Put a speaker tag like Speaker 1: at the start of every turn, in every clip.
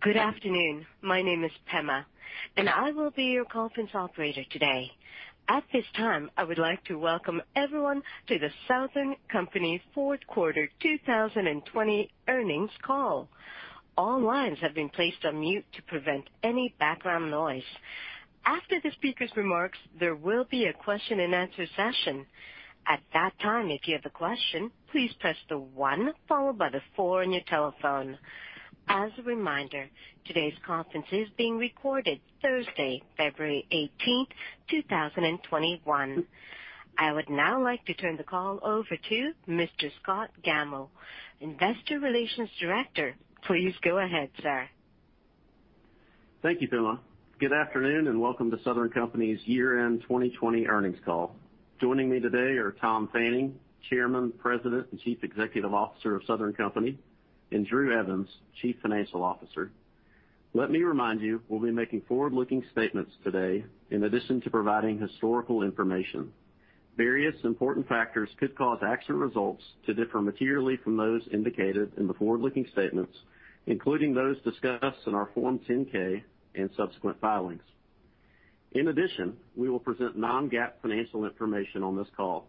Speaker 1: Good afternoon. My name is Pema, and I will be your conference operator today. At this time, I would like to welcome everyone to the Southern Company four quarter 2020 earnings call. All lines have been placed on mute to prevent any background noise. After the speaker's remarks, there will be a question-and-answer session. At that time, if you have a question, please press the one followed by the four on your telephone. As a reminder, today's conference is being recorded Thursday, February 18th, 2021. I would now like to turn the call over to Mr. Scott Gammill, Investor Relations Director. Please go ahead, sir.
Speaker 2: Thank you, Pema. Good afternoon, and welcome to Southern Company's year-end 2020 earnings call. Joining me today are Tom Fanning, Chairman, President, and Chief Executive Officer of Southern Company, and Drew Evans, Chief Financial Officer. Let me remind you, we'll be making forward-looking statements today in addition to providing historical information. Various important factors could cause actual results to differ materially from those indicated in the forward-looking statements, including those discussed in our Form 10-K and subsequent filings. In addition, we will present non-GAAP financial information on this call.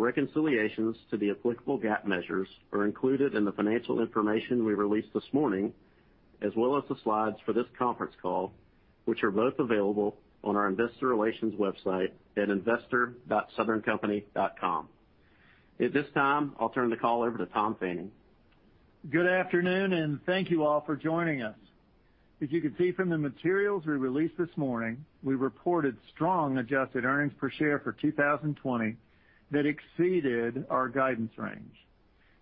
Speaker 2: Reconciliations to the applicable GAAP measures are included in the financial information we released this morning, as well as the slides for this conference call, which are both available on our investor relations website at investor.southerncompany.com. At this time, I'll turn the call over to Tom Fanning.
Speaker 3: Good afternoon. Thank you all for joining us. As you can see from the materials we released this morning, we reported strong adjusted earnings per share for 2020 that exceeded our guidance range.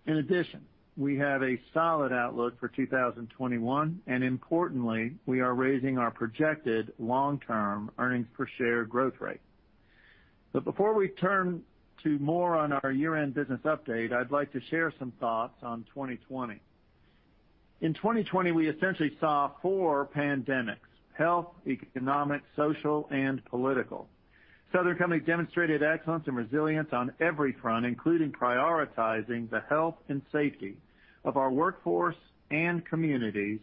Speaker 3: In addition, we have a solid outlook for 2021, and importantly, we are raising our projected long-term earnings per share growth rate. Before we turn to more on our year-end business update, I'd like to share some thoughts on 2020. In 2020, we essentially saw four pandemics, health, economic, social, and political. Southern Company demonstrated excellence and resilience on every front, including prioritizing the health and safety of our workforce and communities,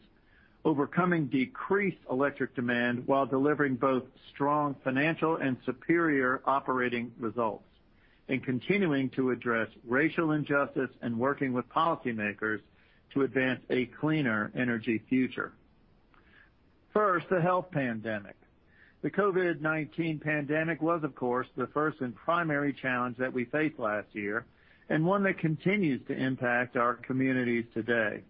Speaker 3: overcoming decreased electric demand while delivering both strong financial and superior operating results, and continuing to address racial injustice and working with policymakers to advance a cleaner energy future. First, the health pandemic. The COVID-19 pandemic was, of course, the first and primary challenge that we faced last year, and one that continues to impact our communities today.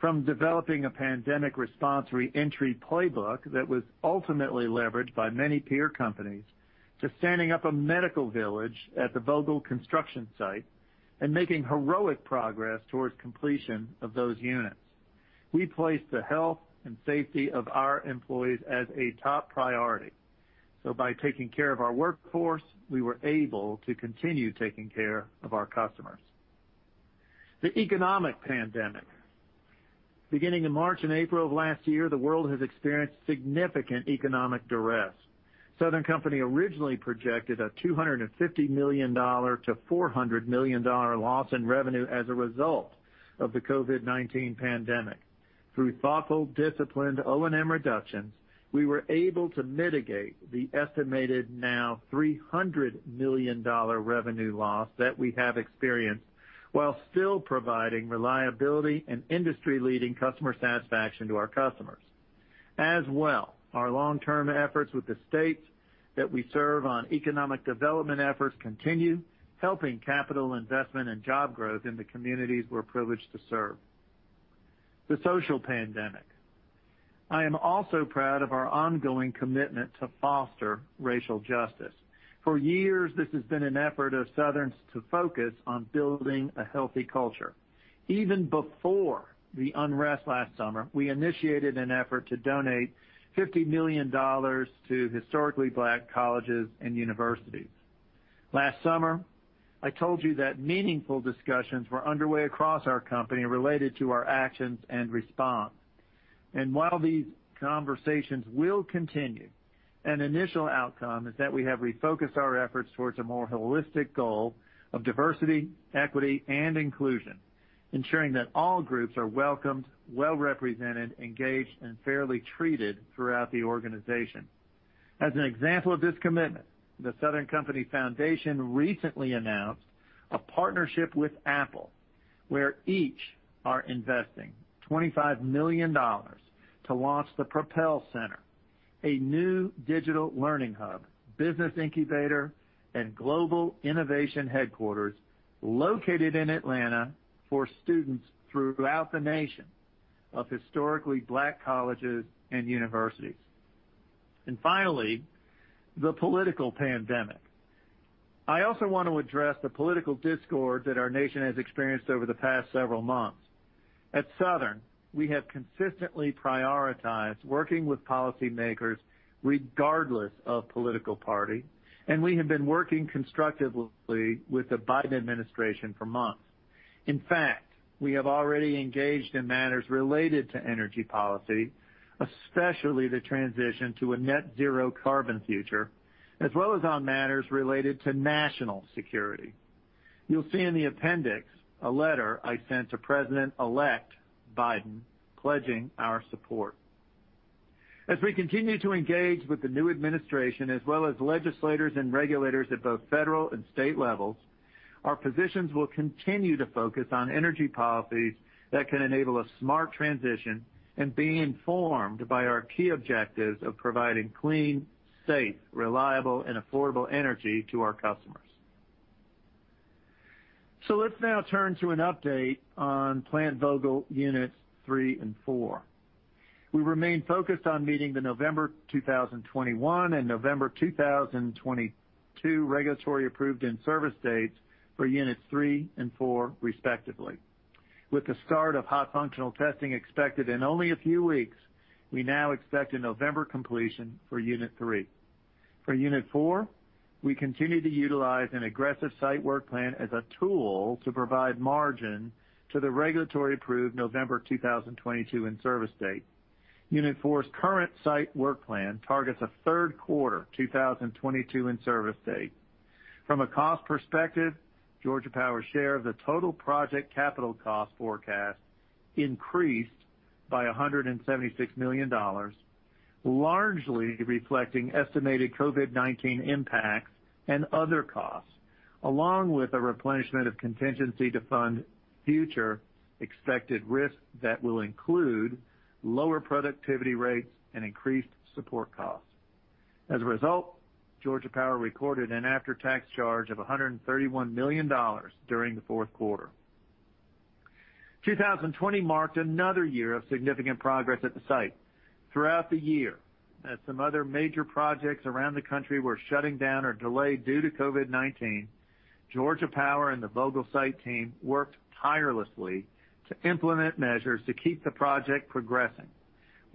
Speaker 3: From developing a pandemic response reentry playbook that was ultimately leveraged by many peer companies to standing up a medical village at the Vogtle construction site and making heroic progress towards completion of those units. We placed the health and safety of our employees as a top priority, so by taking care of our workforce, we were able to continue taking care of our customers. The economic pandemic. Beginning in March and April of last year, the world has experienced significant economic duress. Southern Company originally projected a $250 million to $400 million loss in revenue as a result of the COVID-19 pandemic. Through thoughtful, disciplined O&M reductions, we were able to mitigate the estimated now $300 million revenue loss that we have experienced while still providing reliability and industry-leading customer satisfaction to our customers. As well, our long-term efforts with the states that we serve on economic development efforts continue, helping capital investment and job growth in the communities we're privileged to serve. The social pandemic. I am also proud of our ongoing commitment to foster racial justice. For years, this has been an effort of Southern's to focus on building a healthy culture. Even before the unrest last summer, we initiated an effort to donate $50 million to historically Black colleges and universities. Last summer, I told you that meaningful discussions were underway across our company related to our actions and response. While these conversations will continue, an initial outcome is that we have refocused our efforts towards a more holistic goal of diversity, equity, and inclusion, ensuring that all groups are welcomed, well-represented, engaged, and fairly treated throughout the organization. As an example of this commitment, the Southern Company Foundation recently announced a partnership with Apple, where each are investing $25 million to launch the Propel Center, a new digital learning hub, business incubator, and global innovation headquarters located in Atlanta for students throughout the nation of historically Black colleges and universities. Finally, the political pandemic. I also want to address the political discord that our nation has experienced over the past several months. At Southern, we have consistently prioritized working with policymakers regardless of political party, and we have been working constructively with the Biden administration for months. In fact, we have already engaged in matters related to energy policy, especially the transition to a net zero carbon future, as well as on matters related to national security. You'll see in the appendix a letter I sent to President-elect Biden pledging our support. As we continue to engage with the new administration, as well as legislators and regulators at both federal and state levels, our positions will continue to focus on energy policies that can enable a smart transition and be informed by our key objectives of providing clean, safe, reliable, and affordable energy to our customers. Let's now turn to an update on Plant Vogtle Units 3 and 4. We remain focused on meeting the November 2021 and November 2022 regulatory approved in-service dates for Units 3 and 4, respectively. With the start of hot functional testing expected in only a few weeks, we now expect a November completion for Unit 3. For Unit 4, we continue to utilize an aggressive site work plan as a tool to provide margin to the regulatory approved November 2022 in-service date. Unit 4's current site work plan targets a third quarter 2022 in-service date. From a cost perspective, Georgia Power's share of the total project capital cost forecast increased by $176 million, largely reflecting estimated COVID-19 impacts and other costs, along with a replenishment of contingency to fund future expected risks that will include lower productivity rates and increased support costs. As a result, Georgia Power recorded an after-tax charge of $131 million during the 4th quarter. 2020 marked another year of significant progress at the site. Throughout the year, as some other major projects around the country were shutting down or delayed due to COVID-19, Georgia Power and the Vogtle site team worked tirelessly to implement measures to keep the project progressing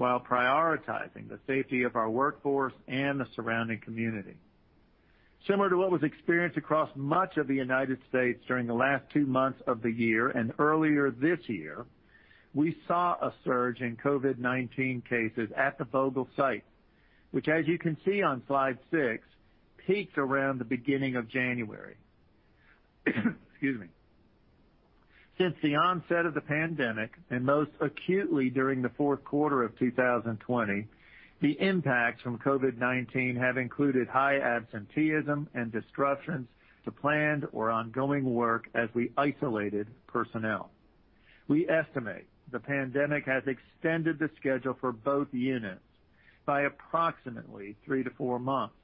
Speaker 3: while prioritizing the safety of our workforce and the surrounding community. Similar to what was experienced across much of the U.S. during the last two months of the year and earlier this year, we saw a surge in COVID-19 cases at the Vogtle site, which, as you can see on slide six, peaked around the beginning of January. Excuse me. Since the onset of the pandemic, and most acutely during the 4th quarter of 2020, the impacts from COVID-19 have included high absenteeism and disruptions to planned or ongoing work as we isolated personnel. We estimate the pandemic has extended the schedule for both units by approximately three to four months,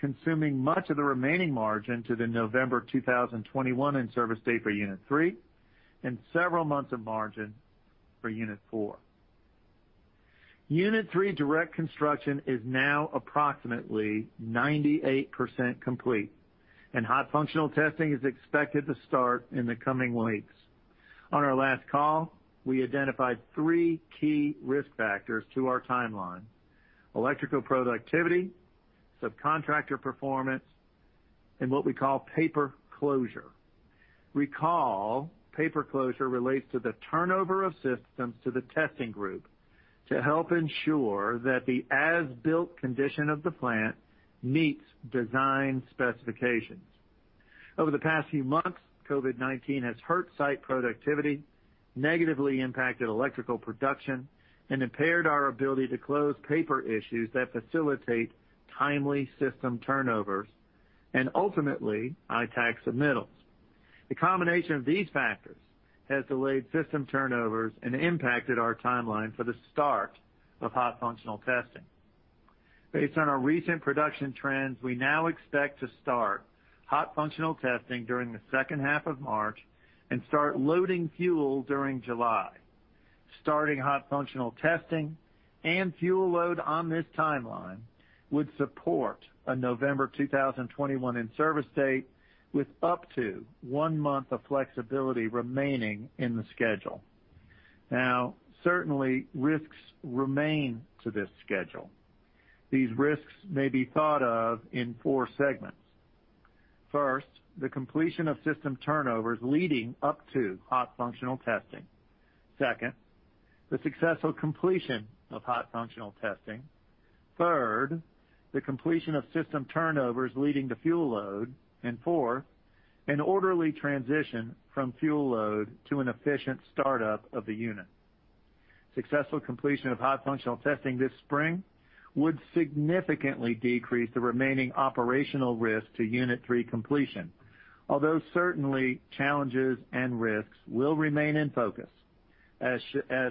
Speaker 3: consuming much of the remaining margin to the November 2021 in-service date for Unit 3 and several months of margin for Unit 4. Unit 3 direct construction is now approximately 98% complete, and hot functional testing is expected to start in the coming weeks. On our last call, we identified three key risk factors to our timeline: electrical productivity, subcontractor performance, and what we call paper closure. Recall, paper closure relates to the turnover of systems to the testing group to help ensure that the as-built condition of the plant meets design specifications. Over the past few months, COVID-19 has hurt site productivity, negatively impacted electrical production, and impaired our ability to close paper issues that facilitate timely system turnovers and ultimately ITAAC submittals. The combination of these factors has delayed system turnovers and impacted our timeline for the start of hot functional testing. Based on our recent production trends, we now expect to start hot functional testing during the second half of March and start loading fuel during July. Starting hot functional testing and fuel load on this timeline would support a November 2021 in-service date, with up to one month of flexibility remaining in the schedule. Certainly, risks remain to this schedule. These risks may be thought of in 4 segments. First, the completion of system turnovers leading up to hot functional testing. Second, the successful completion of hot functional testing. Third, the completion of system turnovers leading to fuel load. 4, an orderly transition from fuel load to an efficient startup of the unit. Successful completion of hot functional testing this spring would significantly decrease the remaining operational risk to Unit 3 completion. Although certainly, challenges and risks will remain in focus as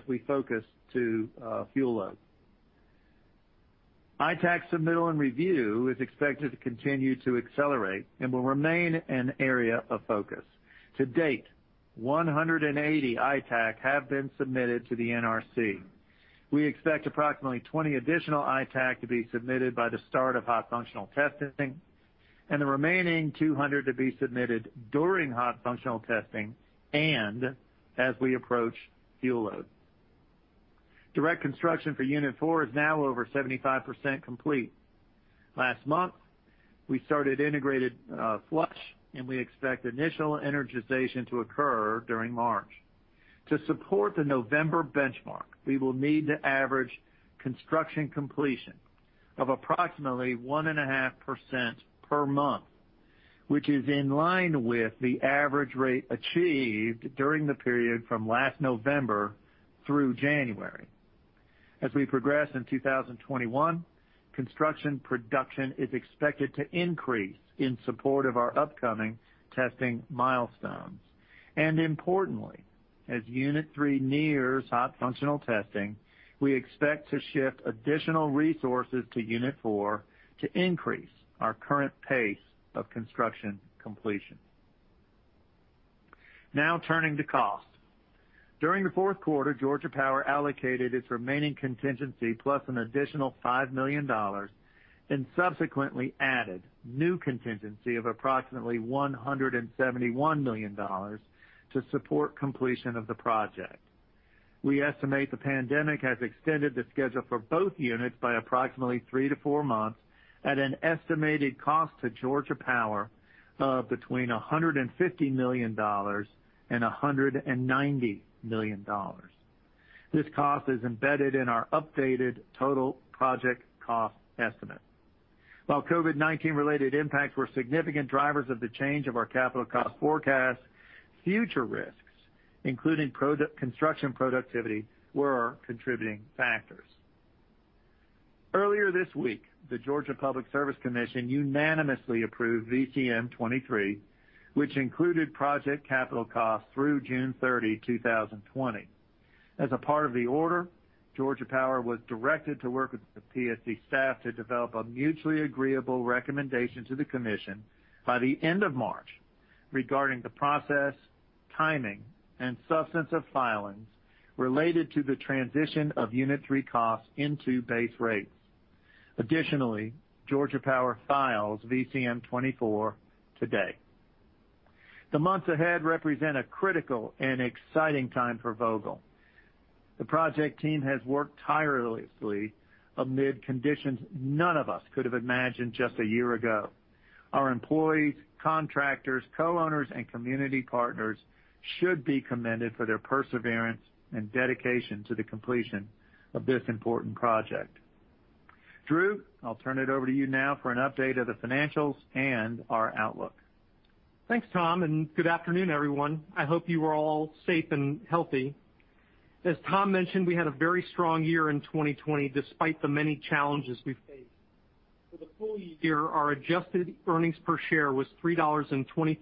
Speaker 3: we focus to fuel load. ITAAC submittal and review is expected to continue to accelerate and will remain an area of focus. To date, 180 ITAAC have been submitted to the NRC. We expect approximately 20 additional ITAAC to be submitted by the start of hot functional testing, and the remaining 200 to be submitted during hot functional testing and as we approach fuel load. Direct construction for Unit 4 is now over 75% complete. Last month, we started integrated flush, and we expect initial energization to occur during March. To support the November benchmark, we will need to average construction completion of approximately 1.5% per month, which is in line with the average rate achieved during the period from last November through January. As we progress in 2021, construction production is expected to increase in support of our upcoming testing milestones. Importantly, as Unit 3 nears hot functional testing, we expect to shift additional resources to Unit 4 to increase our current pace of construction completion. Now turning to cost. During the fourth quarter, Georgia Power allocated its remaining contingency plus an additional $5 million and subsequently added new contingency of approximately $171 million to support completion of the project. We estimate the pandemic has extended the schedule for both units by approximately three to four months at an estimated cost to Georgia Power of between $150 million and $190 million. This cost is embedded in our updated total project cost estimate. While COVID-19 related impacts were significant drivers of the change of our capital cost forecast, future risks, including construction productivity, were contributing factors. Earlier this week, the Georgia Public Service Commission unanimously approved VCM 23, which included project capital costs through June 30, 2020. As a part of the order, Georgia Power was directed to work with the PSC staff to develop a mutually agreeable recommendation to the commission by the end of March regarding the process, timing, and substance of filings related to the transition of Unit 3 costs into base rates. Additionally, Georgia Power files VCM 24 today. The months ahead represent a critical and exciting time for Vogtle. The project team has worked tirelessly amid conditions none of us could have imagined just a year ago. Our employees, contractors, co-owners, and community partners should be commended for their perseverance and dedication to the completion of this important project. Drew, I'll turn it over to you now for an update of the financials and our outlook.
Speaker 4: Thanks, Tom, good afternoon, everyone. I hope you are all safe and healthy. As Tom mentioned, we had a very strong year in 2020, despite the many challenges we faced. For the full year, our adjusted earnings per share was $3.25,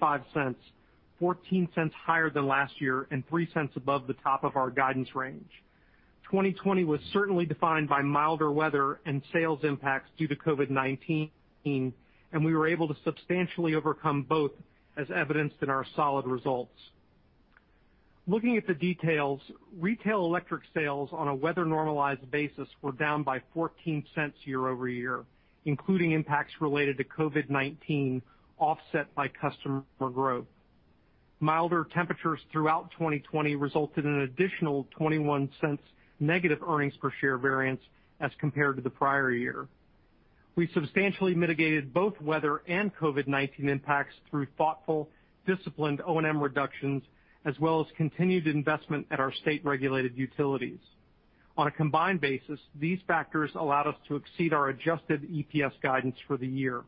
Speaker 4: $0.14 higher than last year and $0.03 above the top of our guidance range. 2020 was certainly defined by milder weather and sales impacts due to COVID-19, and we were able to substantially overcome both, as evidenced in our solid results. Looking at the details, retail electric sales on a weather-normalized basis were down by $0.14 year-over-year, including impacts related to COVID-19 offset by customer growth. Milder temperatures throughout 2020 resulted in an additional $0.21 negative earnings per share variance as compared to the prior year. We substantially mitigated both weather and COVID-19 impacts through thoughtful, disciplined O&M reductions, as well as continued investment at our state-regulated utilities. On a combined basis, these factors allowed us to exceed our adjusted EPS guidance for the year.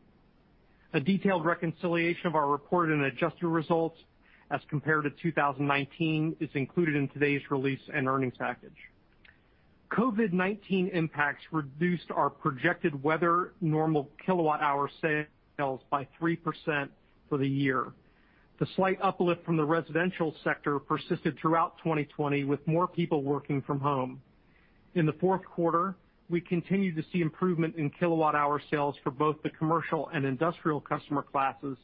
Speaker 4: A detailed reconciliation of our reported and adjusted results as compared to 2019 is included in today's release and earnings package. COVID-19 impacts reduced our projected weather normal kilowatt-hour sales by 3% for the year. The slight uplift from the residential sector persisted throughout 2020, with more people working from home. In the fourth quarter, we continued to see improvement in kilowatt-hour sales for both the commercial and industrial customer classes.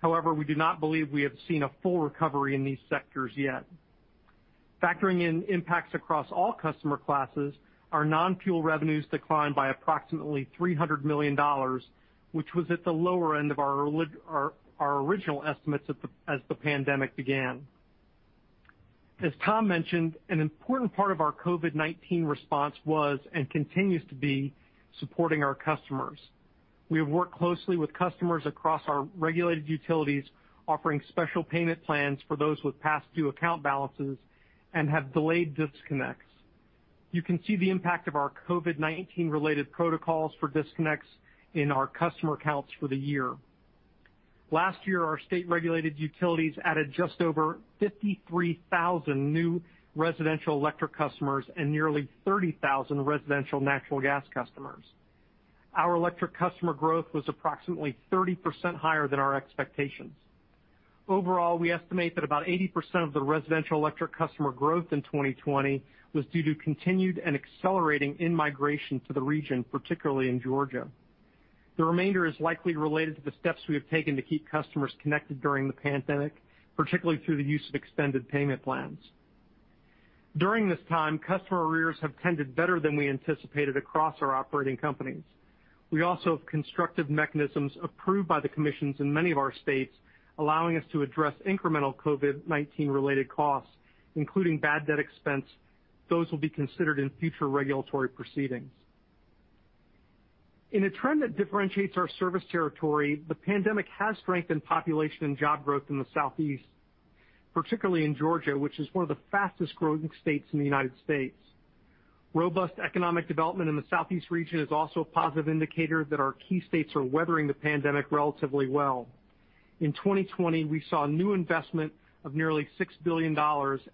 Speaker 4: However, we do not believe we have seen a full recovery in these sectors yet. Factoring in impacts across all customer classes, our non-fuel revenues declined by approximately $300 million, which was at the lower end of our original estimates as the pandemic began. As Tom mentioned, an important part of our COVID-19 response was and continues to be supporting our customers. We have worked closely with customers across our regulated utilities, offering special payment plans for those with past due account balances and have delayed disconnects. You can see the impact of our COVID-19 related protocols for disconnects in our customer counts for the year. Last year, our state-regulated utilities added just over 53,000 new residential electric customers and nearly 30,000 residential natural gas customers. Our electric customer growth was approximately 30% higher than our expectations. Overall, we estimate that about 80% of the residential electric customer growth in 2020 was due to continued and accelerating in-migration to the region, particularly in Georgia. The remainder is likely related to the steps we have taken to keep customers connected during the pandemic, particularly through the use of extended payment plans. During this time, customer arrears have tended better than we anticipated across our operating companies. We also have constructive mechanisms approved by the commissions in many of our states, allowing us to address incremental COVID-19 related costs, including bad debt expense. Those will be considered in future regulatory proceedings. In a trend that differentiates our service territory, the pandemic has strengthened population and job growth in the Southeast, particularly in Georgia, which is one of the fastest-growing states in the U.S. Robust economic development in the Southeast region is also a positive indicator that our key states are weathering the pandemic relatively well. In 2020, we saw new investment of nearly $6 billion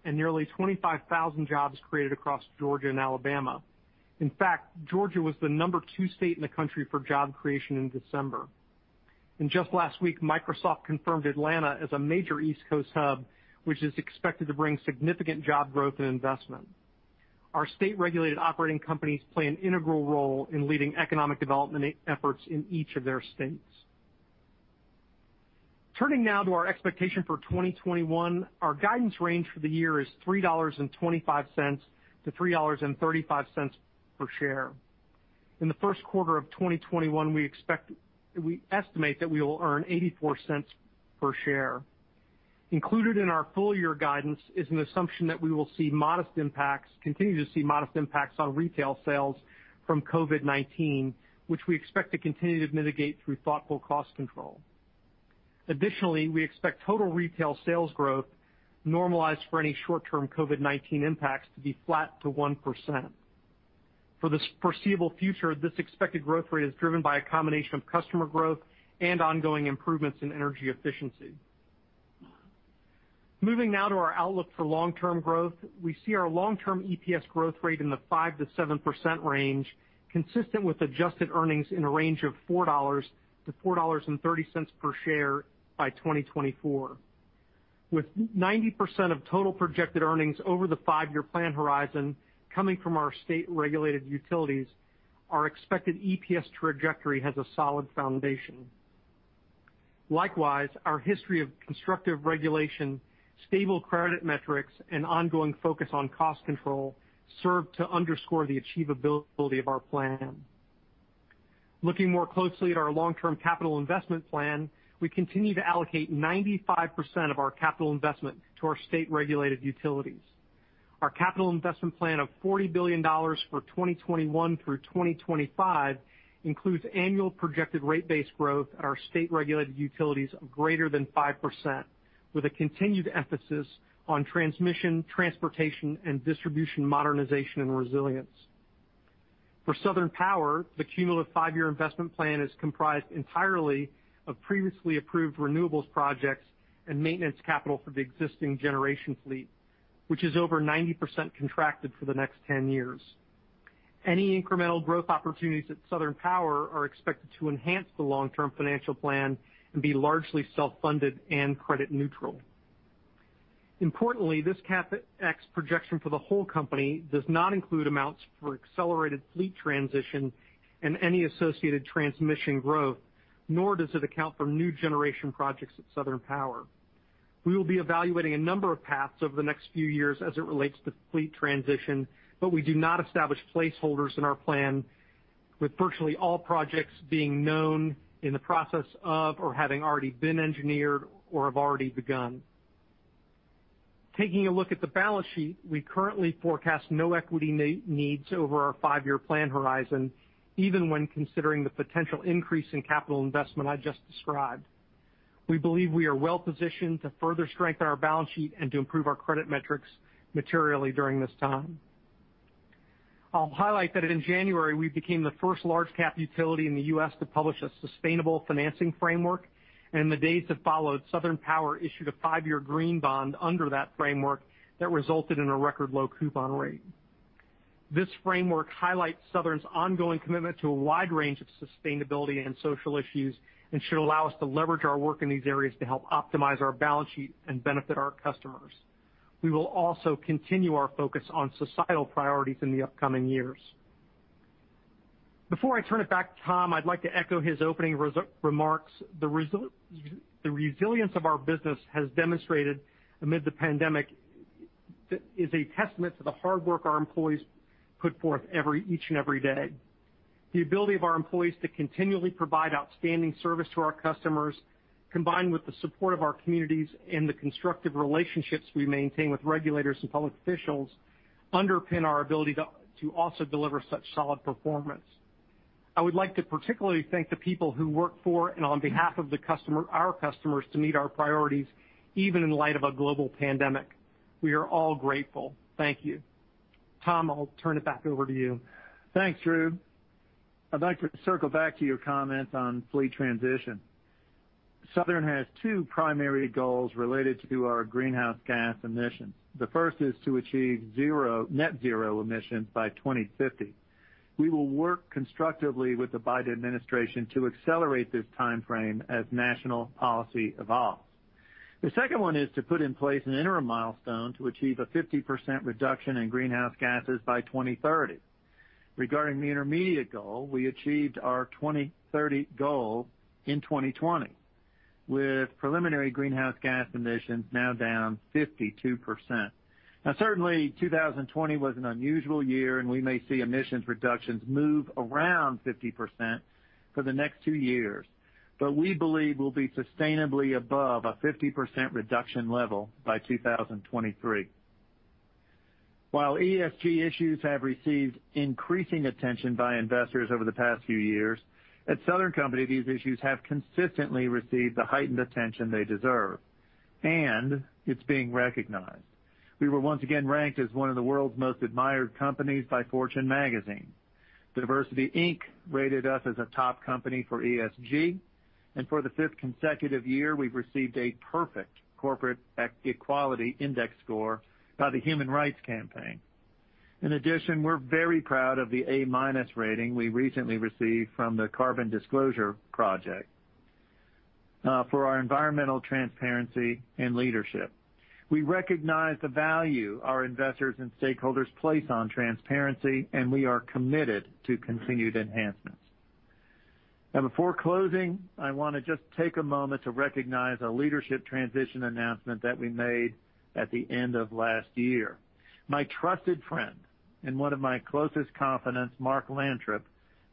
Speaker 4: and nearly 25,000 jobs created across Georgia and Alabama. In fact, Georgia was the number two state in the country for job creation in December. Just last week, Microsoft confirmed Atlanta as a major East Coast hub, which is expected to bring significant job growth and investment. Our state-regulated operating companies play an integral role in leading economic development efforts in each of their states. Turning now to our expectation for 2021, our guidance range for the year is $3.25-$3.35 per share. In the first quarter of 2021, we estimate that we will earn $0.84 per share. Included in our full-year guidance is an assumption that we will continue to see modest impacts on retail sales from COVID-19, which we expect to continue to mitigate through thoughtful cost control. Additionally, we expect total retail sales growth normalized for any short-term COVID-19 impacts to be flat to 1%. For the foreseeable future, this expected growth rate is driven by a combination of customer growth and ongoing improvements in energy efficiency. Moving now to our outlook for long-term growth, we see our long-term EPS growth rate in the 5%-7% range, consistent with adjusted earnings in a range of $4-$4.30 per share by 2024. With 90% of total projected earnings over the five-year plan horizon coming from our state-regulated utilities, our expected EPS trajectory has a solid foundation. Likewise, our history of constructive regulation, stable credit metrics, and ongoing focus on cost control serve to underscore the achievability of our plan. Looking more closely at our long-term capital investment plan, we continue to allocate 95% of our capital investment to our state-regulated utilities. Our capital investment plan of $40 billion for 2021 through 2025 includes annual projected rate base growth at our state-regulated utilities of greater than 5%, with a continued emphasis on transmission, transportation, and distribution modernization and resilience. For Southern Power, the cumulative five-year investment plan is comprised entirely of previously approved renewables projects and maintenance capital for the existing generation fleet, which is over 90% contracted for the next 10 years. Any incremental growth opportunities at Southern Power are expected to enhance the long-term financial plan and be largely self-funded and credit neutral. Importantly, this CapEx projection for the whole company does not include amounts for accelerated fleet transition and any associated transmission growth, nor does it account for new generation projects at Southern Power. We will be evaluating a number of paths over the next few years as it relates to fleet transition, but we do not establish placeholders in our plan, with virtually all projects being known in the process of or having already been engineered or have already begun. Taking a look at the balance sheet, we currently forecast no equity needs over our five-year plan horizon, even when considering the potential increase in capital investment I just described. We believe we are well-positioned to further strengthen our balance sheet and to improve our credit metrics materially during this time. I'll highlight that in January, we became the first large cap utility in the U.S. to publish a sustainable financing framework, and in the days that followed, Southern Power issued a five-year green bond under that framework that resulted in a record low coupon rate. This framework highlights Southern's ongoing commitment to a wide range of sustainability and social issues and should allow us to leverage our work in these areas to help optimize our balance sheet and benefit our customers. We will also continue our focus on societal priorities in the upcoming years. Before I turn it back to Tom, I'd like to echo his opening remarks. The resilience of our business has demonstrated amid the pandemic is a testament to the hard work our employees put forth each and every day. The ability of our employees to continually provide outstanding service to our customers, combined with the support of our communities and the constructive relationships we maintain with regulators and public officials, underpin our ability to also deliver such solid performance. I would like to particularly thank the people who work for and on behalf of our customers to meet our priorities, even in light of a global pandemic. We are all grateful. Thank you. Tom, I'll turn it back over to you.
Speaker 3: Thanks, Drew. I'd like to circle back to your comments on fleet transition. Southern has two primary goals related to our greenhouse gas emissions. The first is to achieve net zero emissions by 2050. We will work constructively with the Biden administration to accelerate this timeframe as national policy evolves. The second one is to put in place an interim milestone to achieve a 50% reduction in greenhouse gases by 2030. Regarding the intermediate goal, we achieved our 2030 goal in 2020, with preliminary greenhouse gas emissions now down 52%. Certainly, 2020 was an unusual year, and we may see emissions reductions move around 50% for the next two years. We believe we'll be sustainably above a 50% reduction level by 2023. While ESG issues have received increasing attention by investors over the past few years, at Southern Company, these issues have consistently received the heightened attention they deserve, and it's being recognized. We were once again ranked as one of the world's most admired companies by Fortune magazine. DiversityInc rated us as a top company for ESG, and for the fifth consecutive year, we've received a perfect corporate equality index score by the Human Rights Campaign. In addition, we're very proud of the A-minus rating we recently received from the Carbon Disclosure Project for our environmental transparency and leadership. We recognize the value our investors and stakeholders place on transparency, and we are committed to continued enhancements. Before closing, I want to just take a moment to recognize a leadership transition announcement that we made at the end of last year. My trusted friend and one of my closest confidants, Mark Lantrip,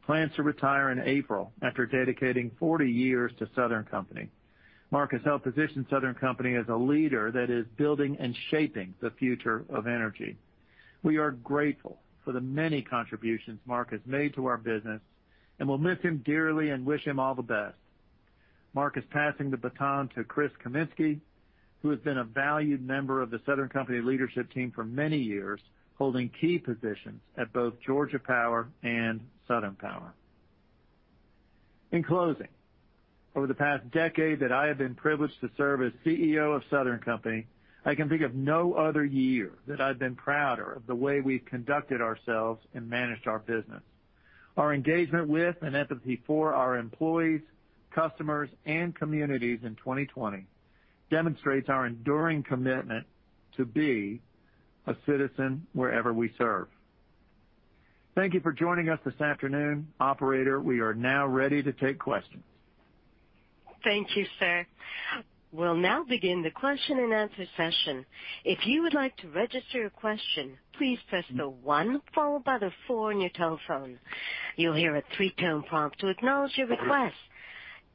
Speaker 3: plans to retire in April after dedicating 40 years to Southern Company. Mark has helped position Southern Company as a leader that is building and shaping the future of energy. We are grateful for the many contributions Mark has made to our business, and we'll miss him dearly and wish him all the best. Mark is passing the baton to Chris Womack, who has been a valued member of the Southern Company leadership team for many years, holding key positions at both Georgia Power and Southern Power. In closing, over the past decade that I have been privileged to serve as CEO of Southern Company, I can think of no other year that I've been prouder of the way we've conducted ourselves and managed our business. Our engagement with and empathy for our employees, customers, and communities in 2020 demonstrates our enduring commitment to be a citizen wherever we serve. Thank you for joining us this afternoon. Operator, we are now ready to take questions.
Speaker 1: Thank you, sir. We'll now begin the question-and-answer session. If you would like to register a question, please press the one, followed by the four on your telephone. You'll hear a three tone prompt, so it knows your request.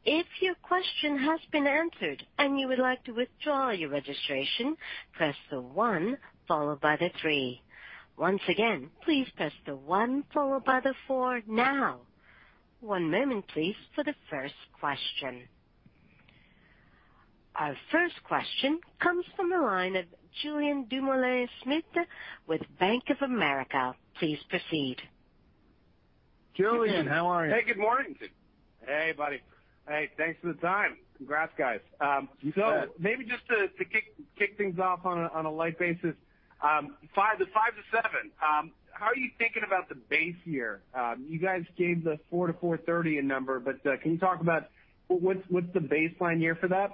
Speaker 1: If your question has been answered and you would like to withdraw your registration, press the one followed by the three. Once again, please press the one followed by the four now. One moment please for the first question. Our first question comes from the line at Julien Dumoulin-Smith with Bank of America. Please proceed.
Speaker 3: Julien, how are you?
Speaker 5: Hey, good morning. Hey, buddy. Hey, thanks for the time. Congrats, guys.
Speaker 3: You bet.
Speaker 5: Maybe just to kick things off on a light basis. 5%-7%, how are you thinking about the base year? You guys gave the $4-$4.30 a number. Can you talk about what's the baseline year for that?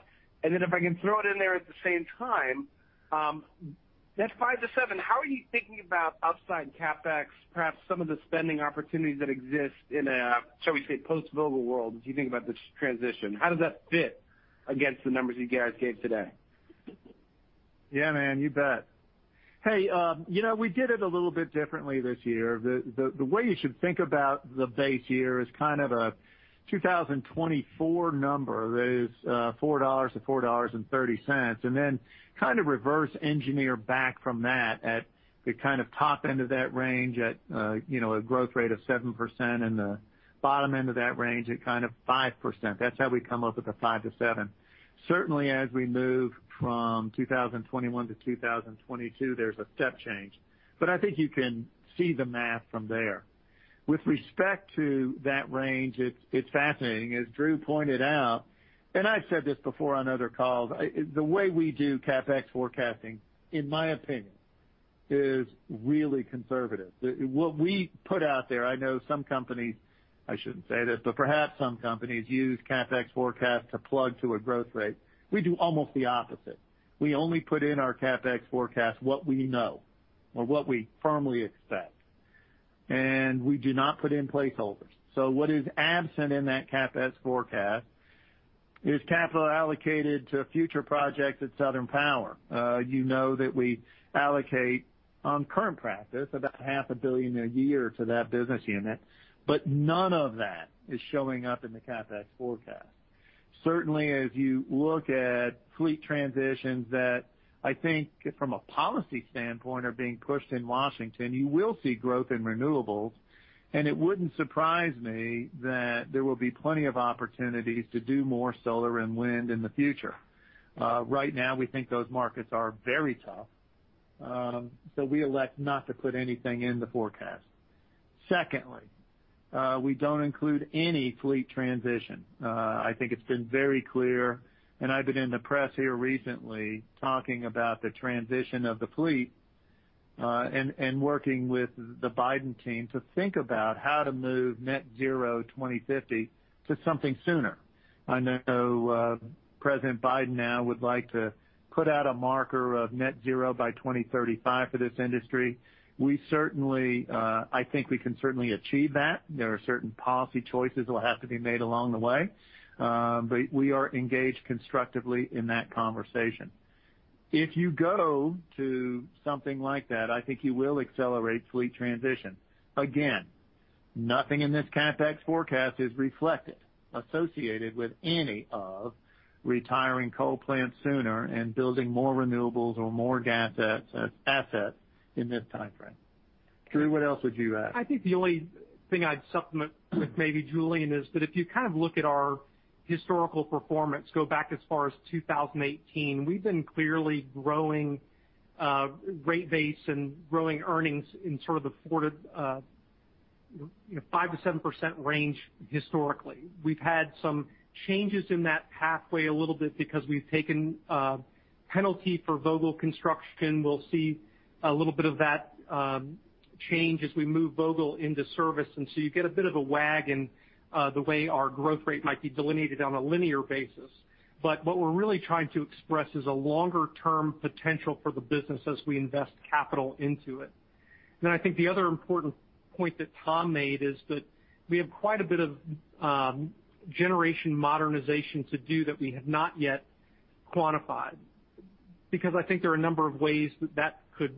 Speaker 5: If I can throw it in there at the same time, that 5%-7%, how are you thinking about outside CapEx, perhaps some of the spending opportunities that exist in a, shall we say, post-Vogtle world, as you think about this transition? How does that fit against the numbers you guys gave today?
Speaker 3: Yeah, man, you bet. Hey, we did it a little bit differently this year. The way you should think about the base year is kind of a 2024 number that is $4-$4.30, and then kind of reverse engineer back from that at the kind of top end of that range at a growth rate of 7% and the bottom end of that range at kind of 5%. That's how we come up with the 5%-7%. Certainly, as we move from 2021 to 2022, there's a step change, but I think you can see the math from there. With respect to that range, it's fascinating. As Drew pointed out, and I've said this before on other calls, the way we do CapEx forecasting, in my opinion, is really conservative. What we put out there, I know some companies, I shouldn't say this, but perhaps some companies use CapEx forecast to plug to a growth rate. We do almost the opposite. We only put in our CapEx forecast what we know or what we firmly expect, and we do not put in placeholders. What is absent in that CapEx forecast is capital allocated to future projects at Southern Power. You know that we allocate on current practice about half a billion a year to that business unit, but none of that is showing up in the CapEx forecast. Certainly, as you look at fleet transitions that I think from a policy standpoint are being pushed in Washington, you will see growth in renewables, and it wouldn't surprise me that there will be plenty of opportunities to do more solar and wind in the future. Right now, we think those markets are very tough. We elect not to put anything in the forecast. Secondly, we don't include any fleet transition. I think it's been very clear. I've been in the press here recently talking about the transition of the fleet, and working with the Biden team to think about how to move net zero 2050 to something sooner. I know President Biden now would like to put out a marker of net zero by 2035 for this industry. I think we can certainly achieve that. There are certain policy choices that will have to be made along the way. We are engaged constructively in that conversation. If you go to something like that, I think you will accelerate fleet transition. Nothing in this CapEx forecast is reflected associated with any of retiring coal plants sooner and building more renewables or more gas assets in this time frame. Drew, what else would you add?
Speaker 4: I think the only thing I'd supplement with maybe Julien is that if you look at our historical performance, go back as far as 2018, we've been clearly growing rate base and growing earnings in sort of the 5%-7% range historically. We've had some changes in that pathway a little bit because we've taken a penalty for Vogtle Construction. We'll see a little bit of that change as we move Vogtle into service. You get a bit of a wag in the way our growth rate might be delineated on a linear basis. What we're really trying to express is a longer-term potential for the business as we invest capital into it. I think the other important point that Tom made is that we have quite a bit of generation modernization to do that we have not yet quantified, because I think there are a number of ways that that could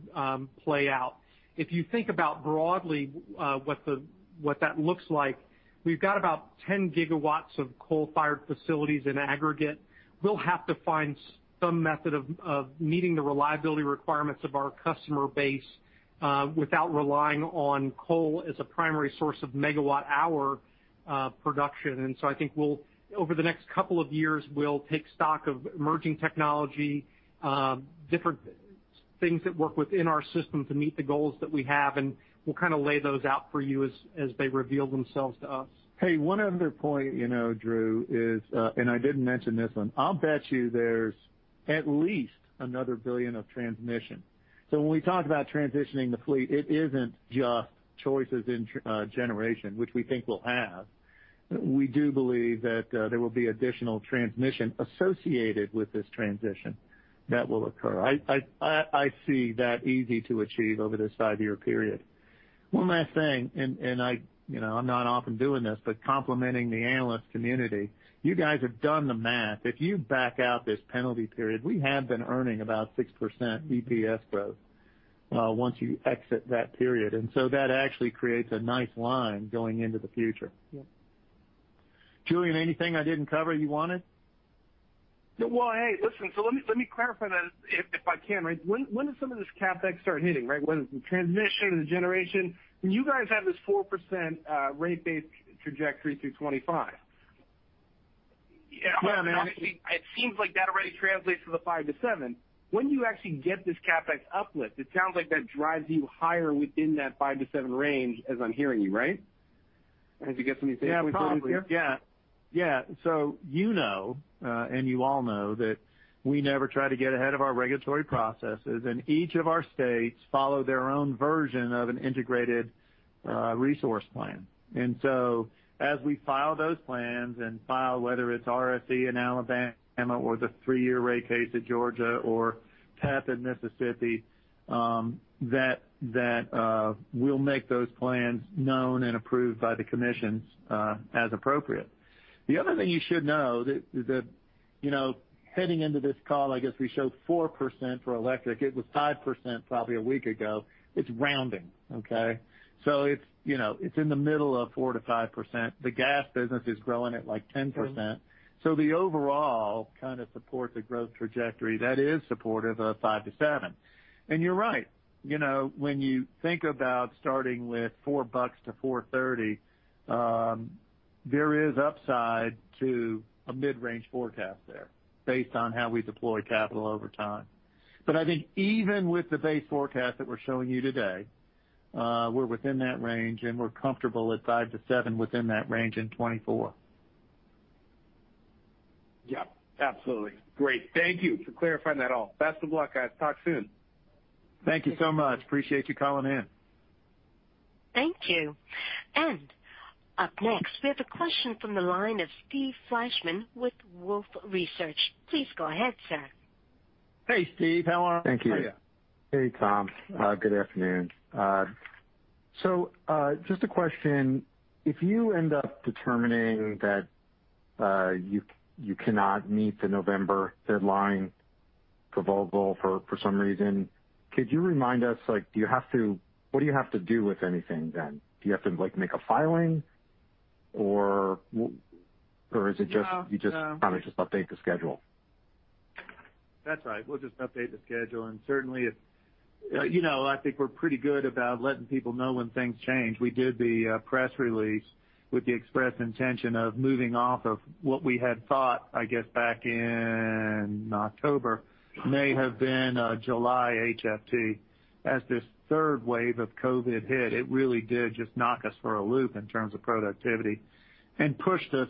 Speaker 4: play out. If you think about broadly what that looks like, we've got about 10 GW of coal-fired facilities in aggregate. We'll have to find some method of meeting the reliability requirements of our customer base without relying on coal as a primary source of megawatt hour production. I think over the next couple of years, we'll take stock of emerging technology, different things that work within our system to meet the goals that we have, and we'll kind of lay those out for you as they reveal themselves to us.
Speaker 3: Hey, one other point, Drew, is, I didn't mention this one, I'll bet you there's at least another $1 billion of transmission. When we talk about transitioning the fleet, it isn't just choices in generation, which we think we'll have. We do believe that there will be additional transmission associated with this transition that will occur. I see that easy to achieve over this five year period. One last thing, I'm not often doing this, but complimenting the analyst community, you guys have done the math. If you back out this penalty period, we have been earning about 6% EPS growth once you exit that period. That actually creates a nice line going into the future.
Speaker 4: Yep.
Speaker 3: Julien, anything I didn't cover you wanted?
Speaker 5: Well, hey, listen, let me clarify that if I can, right? When does some of this CapEx start hitting? Whether it's in transmission or generation. When you guys have this 4% rate base trajectory through 2025.
Speaker 3: Well, I mean-
Speaker 5: It seems like that already translates to the 5%-7%. When you actually get this CapEx uplift, it sounds like that drives you higher within that 5%-7% range as I'm hearing you, right? Did you get something to say quickly here?
Speaker 3: Yeah. You know, and you all know that we never try to get ahead of our regulatory processes, and each of our states follow their own version of an Integrated Resource Plan. As we file those plans and file, whether it's RSE in Alabama or the three year rate case at Georgia or PEP in Mississippi, we'll make those plans known and approved by the commissions, as appropriate. The other thing you should know that heading into this call, I guess we showed 4% for electric. It was 5% probably a week ago. It's rounding. Okay? It's in the middle of 4%-5%. The gas business is growing at, like, 10%. The overall kind of supports a growth trajectory that is supportive of 5%-7%. You're right, when you think about starting with $4-$4.30, there is upside to a mid-range forecast there based on how we deploy capital over time. I think even with the base forecast that we're showing you today, we're within that range and we're comfortable at 5%-7% within that range in 2024.
Speaker 5: Yeah, absolutely. Great. Thank you for clarifying that all. Best of luck, guys. Talk soon.
Speaker 3: Thank you so much. Appreciate you calling in.
Speaker 1: Thank you. Up next, we have a question from the line of Steve Fleishman with Wolfe Research. Please go ahead, sir.
Speaker 3: Hey, Steve, how are you?
Speaker 4: How are you?
Speaker 6: Thank you. Hey, Tom. Good afternoon. Just a question. If you end up determining that you cannot meet the November deadline for Vogtle for some reason, could you remind us, what do you have to do with anything then? Do you have to make a filing?
Speaker 3: No
Speaker 6: You just kind of just update the schedule?
Speaker 3: That's right. We'll just update the schedule, and certainly I think we're pretty good about letting people know when things change. We did the press release with the express intention of moving off of what we had thought, I guess back in October, may have been a July HFT. As this third wave of COVID hit, it really did just knock us for a loop in terms of productivity and pushed us.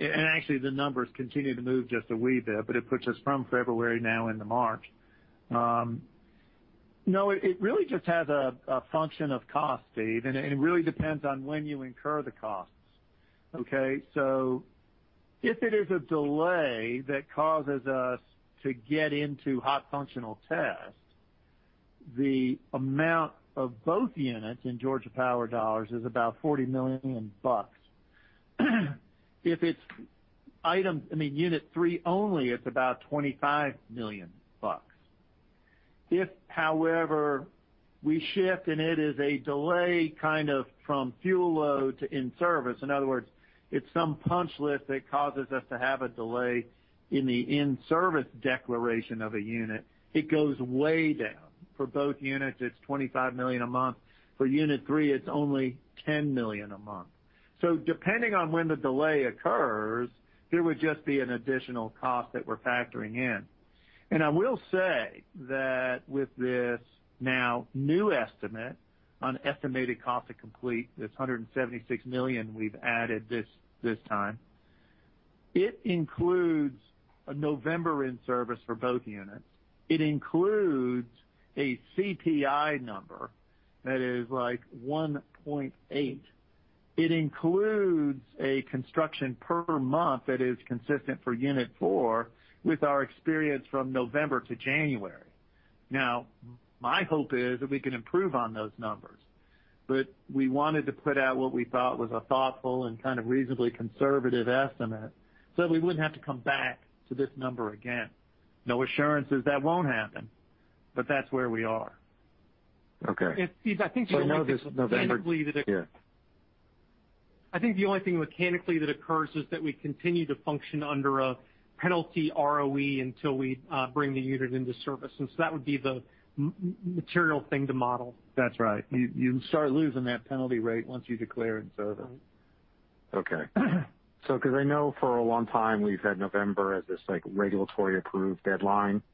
Speaker 3: Actually the numbers continue to move just a wee bit, but it puts us from February now into March. No, it really just has a function of cost, Steve, and it really depends on when you incur the costs. Okay? If it is a delay that causes us to get into hot functional tests, the amount of both units in Georgia Power dollars is about $40 million. If it's I mean, Unit 3 only, it's about $25 million. If, however, we shift and it is a delay from fuel load to in-service, in other words, it's some punch list that causes us to have a delay in the in-service declaration of a unit, it goes way down. For both units, it's $25 million a month. For Unit 3, it's only $10 million a month. Depending on when the delay occurs, there would just be an additional cost that we're factoring in. I will say that with this now new estimate on estimated cost to complete, this $176 million we've added this time, it includes a November in-service for both units. It includes a CPI number that is like 1.8. It includes a construction per month that is consistent for Unit 4 with our experience from November to January. Now, my hope is that we can improve on those numbers, but we wanted to put out what we thought was a thoughtful and kind of reasonably conservative estimate so that we wouldn't have to come back to this number again. No assurances that won't happen, but that's where we are.
Speaker 6: Okay.
Speaker 4: Steve, I think the only thing mechanically.
Speaker 3: No, this November. Yeah.
Speaker 4: I think the only thing mechanically that occurs is that we continue to function under a penalty ROE until we bring the unit into service. That would be the material thing to model.
Speaker 3: That's right. You start losing that penalty rate once you declare in-service.
Speaker 6: Okay. Because I know for a long time we've had November as this regulatory approved deadline.
Speaker 3: Yeah.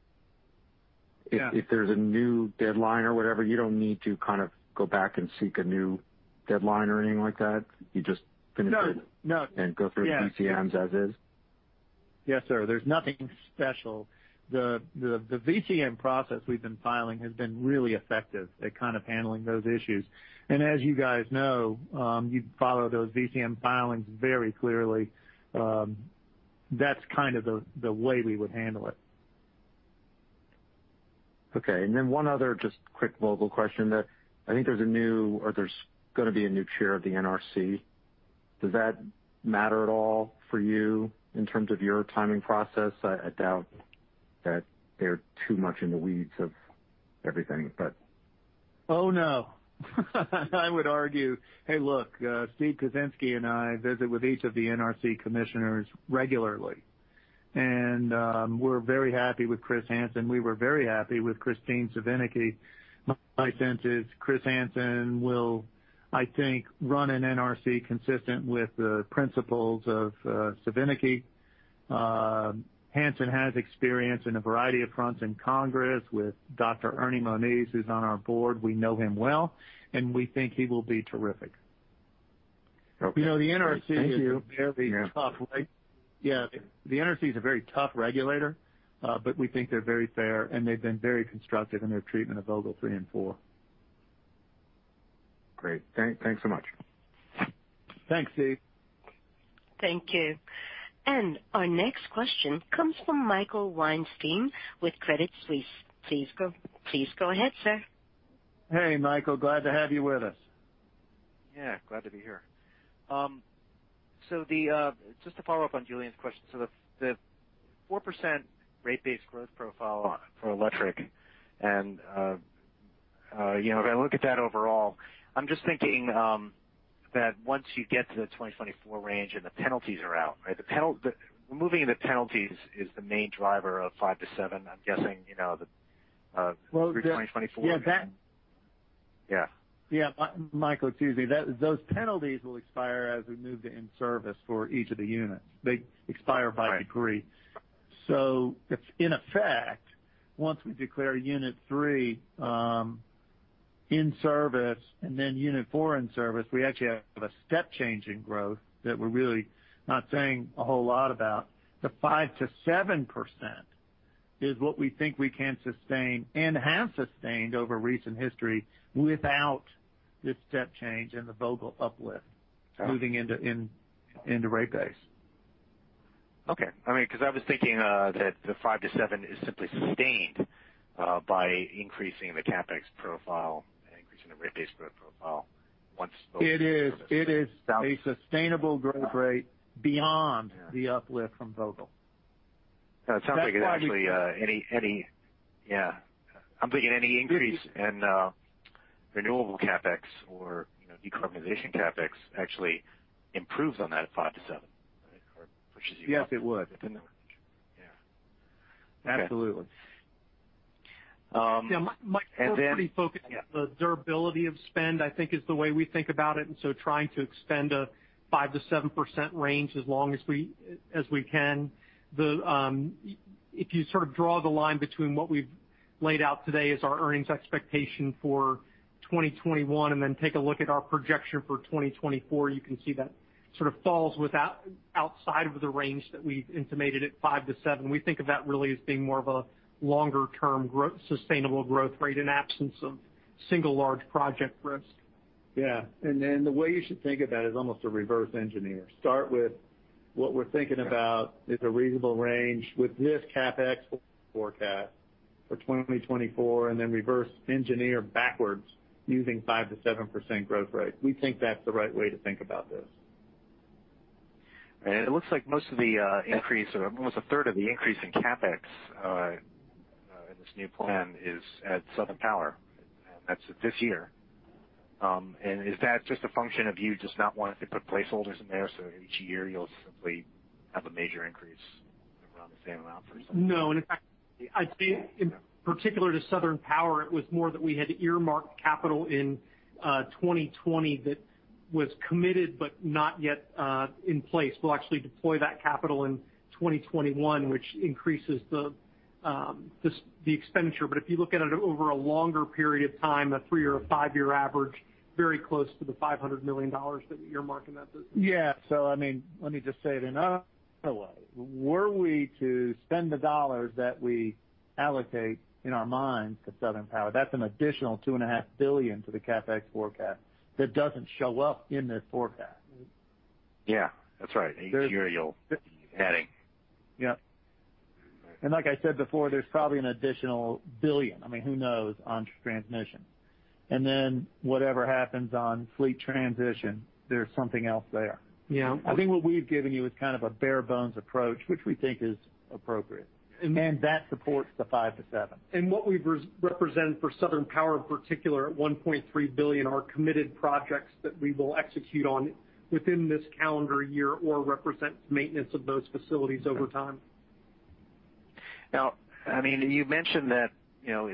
Speaker 6: If there's a new deadline or whatever, you don't need to go back and seek a new deadline or anything like that? You just finish it.
Speaker 3: No.
Speaker 6: Go through the VCMs as is?
Speaker 3: Yes, sir. There's nothing special. The VCM process we've been filing has been really effective at kind of handling those issues. As you guys know, you follow those VCM filings very clearly. That's kind of the way we would handle it.
Speaker 6: Okay, one other just quick global question that I think there's a new or there's going to be a new chair of the NRC. Does that matter at all for you in terms of your timing process? I doubt that they're too much in the weeds of everything.
Speaker 3: Oh, no. I would argue. Hey, look, Stephen Kuczynski and I visit with each of the NRC commissioners regularly, and we're very happy with Chris Hanson. We were very happy with Kristine Svinicki. My sense is Chris Hanson will, I think, run an NRC consistent with the principles of Svinicki. Hanson has experience in a variety of fronts in Congress with Dr. Ernie Moniz, who's on our board. We know him well, and we think he will be terrific.
Speaker 6: Okay.
Speaker 3: You know, the NRC is a very tough.
Speaker 6: Thank you. Yeah.
Speaker 3: Yeah. The NRC is a very tough regulator. We think they're very fair, and they've been very constructive in their treatment of Vogtle 3 and 4.
Speaker 6: Great. Thanks so much.
Speaker 3: Thanks, Steve.
Speaker 1: Thank you. Our next question comes from Michael Weinstein with Credit Suisse. Please go ahead, sir.
Speaker 3: Hey, Michael. Glad to have you with us.
Speaker 7: Yeah. Glad to be here. Just to follow up on Julien's question, the 4% rate base growth profile for electric and when I look at that overall, I'm just thinking that once you get to the 2024 range and the penalties are out, right? Removing the penalties is the main driver of five to seven, I'm guessing, the through 2024.
Speaker 3: Yeah, that.
Speaker 7: Yeah.
Speaker 3: Yeah. Michael, excuse me. Those penalties will expire as we move to in-service for each of the units. They expire by degree.
Speaker 7: Right.
Speaker 3: If in effect, once we declare Unit 3 in service and then Unit 4 in service, we actually have a step change in growth that we're really not saying a whole lot about. The 5%-7% is what we think we can sustain and have sustained over recent history without this step change in the Vogtle uplift moving into rate base.
Speaker 7: Okay. I was thinking that the five to seven is simply sustained by increasing the CapEx profile and increasing the rate base growth profile.
Speaker 3: It is a sustainable growth rate beyond the uplift from Vogtle.
Speaker 7: It sounds like it actually. Yeah. I'm thinking any increase in renewable CapEx or decarbonization CapEx actually improves on that at five to seven, right? Pushes you up.
Speaker 3: Yes, it would.
Speaker 7: Yeah.
Speaker 3: Absolutely.
Speaker 4: Yeah, Mike, we're pretty focused. The durability of spend, I think, is the way we think about it, trying to expend a 5%-7% range as long as we can. If you sort of draw the line between what we've laid out today as our earnings expectation for 2021, take a look at our projection for 2024, you can see that sort of falls outside of the range that we've intimated at 5%-7%. We think of that really as being more of a longer-term sustainable growth rate in absence of single large project risk.
Speaker 3: Yeah. The way you should think of that is almost a reverse engineer. Start with what we're thinking about is a reasonable range with this CapEx forecast for 2024, and then reverse engineer backwards using 5%-7% growth rate. We think that's the right way to think about this.
Speaker 7: It looks like most of the increase, or almost a third of the increase in CapEx in this new plan is at Southern Power. That's this year. Is that just a function of you just not wanting to put placeholders in there, so each year you'll simply have a major increase around the same amount or so?
Speaker 4: No, in fact, I'd say in particular to Southern Power, it was more that we had earmarked capital in 2020 that was committed but not yet in place. We'll actually deploy that capital in 2021, which increases the expenditure. If you look at it over a longer period of time, a three or a five-year average, very close to the $500 million that you're marking that business.
Speaker 3: Yeah. Let me just say it another way. Were we to spend the dollars that we allocate in our minds to Southern Power, that's an additional $2.5 billion to the CapEx forecast that doesn't show up in this forecast.
Speaker 7: Yeah. That's right. A year you'll be adding.
Speaker 3: Yep. Like I said before, there's probably an additional $1 billion, who knows, on transmission. Whatever happens on fleet transition, there's something else there.
Speaker 4: Yeah.
Speaker 3: I think what we've given you is kind of a bare-bones approach, which we think is appropriate. That supports the five to seven.
Speaker 4: What we've represented for Southern Power in particular, at $1.3 billion, are committed projects that we will execute on within this calendar year or represent maintenance of those facilities over time.
Speaker 7: You've mentioned that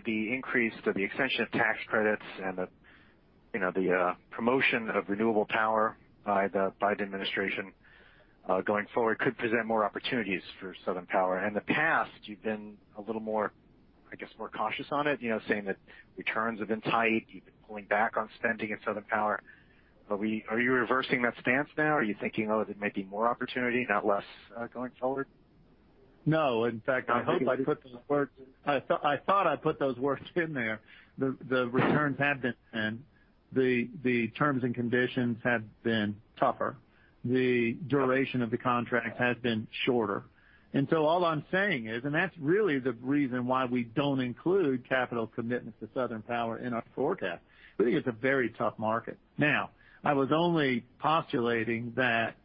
Speaker 7: the increase or the extension of tax credits and the promotion of renewable power by the Biden administration going forward could present more opportunities for Southern Power. In the past, you've been a little more, I guess, cautious on it, saying that returns have been tight. You've been pulling back on spending at Southern Power. Are you reversing that stance now? Are you thinking, oh, there may be more opportunity, not less, going forward?
Speaker 3: No. In fact, I hope I put those words in. I thought I put those words in there. The returns have been thin. The terms and conditions have been tougher. The duration of the contract has been shorter. All I'm saying is, and that's really the reason why we don't include capital commitments to Southern Power in our forecast. We think it's a very tough market. Now, I was only postulating that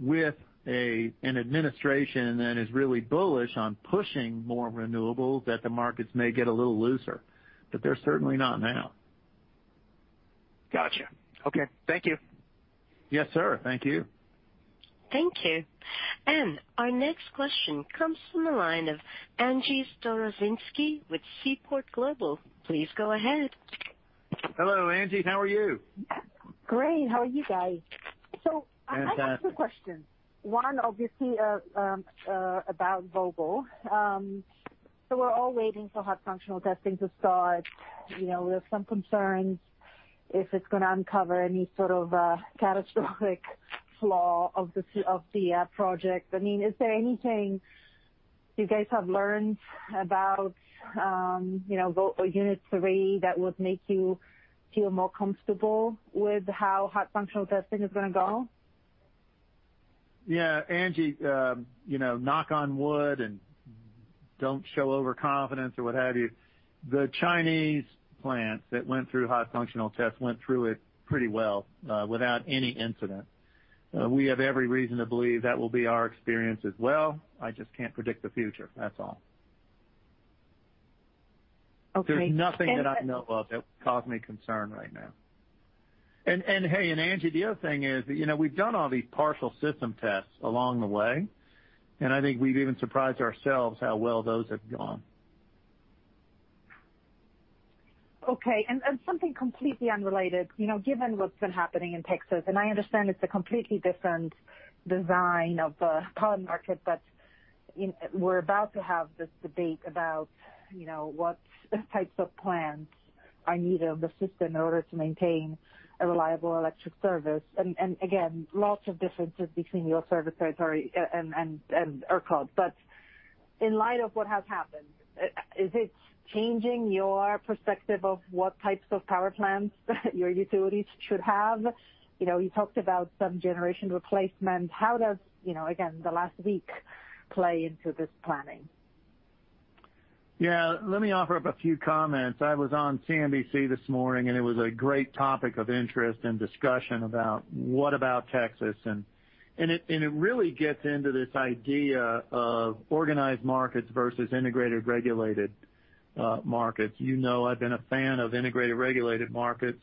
Speaker 3: with an administration that is really bullish on pushing more renewables, that the markets may get a little looser. They're certainly not now.
Speaker 7: Got you. Okay. Thank you.
Speaker 3: Yes, sir. Thank you.
Speaker 1: Thank you. Our next question comes from the line of Angie Storozynski with Seaport Global. Please go ahead.
Speaker 3: Hello, Angie. How are you?
Speaker 8: Great. How are you guys?
Speaker 3: Fantastic.
Speaker 8: I have two questions. One, obviously, about Vogtle. We're all waiting for hot functional testing to start. We have some concerns if it's going to uncover any sort of a catastrophic flaw of the project. Is there anything you guys have learned about Unit 3 that would make you feel more comfortable with how hot functional testing is going to go?
Speaker 3: Yeah. Angie, knock on wood, and don't show overconfidence or what have you. The Chinese plant that went through hot functional tests went through it pretty well, without any incident. We have every reason to believe that will be our experience as well. I just can't predict the future, that's all.
Speaker 8: Okay.
Speaker 3: There's nothing that I know of that would cause me concern right now. Hey, Angie, the other thing is we've done all these partial system tests along the way, and I think we've even surprised ourselves how well those have gone.
Speaker 8: Okay. Something completely unrelated. Given what's been happening in Texas, I understand it's a completely different design of the power market, we're about to have this debate about what types of plants are needed on the system in order to maintain a reliable electric service. Again, lots of differences between your service territory and ERCOT. In light of what has happened, is it changing your perspective of what types of power plants your utilities should have? You talked about some generation replacement. How does, again, the last week play into this planning?
Speaker 3: Yeah. Let me offer up a few comments. I was on CNBC this morning. It was a great topic of interest and discussion about what about Texas? It really gets into this idea of organized markets versus integrated regulated markets. You know I've been a fan of integrated regulated markets.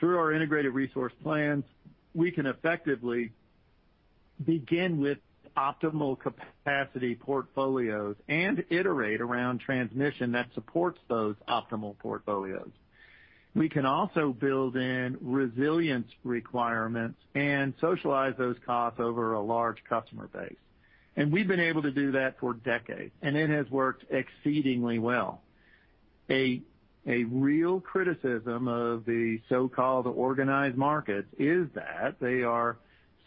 Speaker 3: Through our integrated resource plans, we can effectively begin with optimal capacity portfolios and iterate around transmission that supports those optimal portfolios. We can also build in resilience requirements and socialize those costs over a large customer base. We've been able to do that for decades, and it has worked exceedingly well. A real criticism of the so-called organized markets is that they are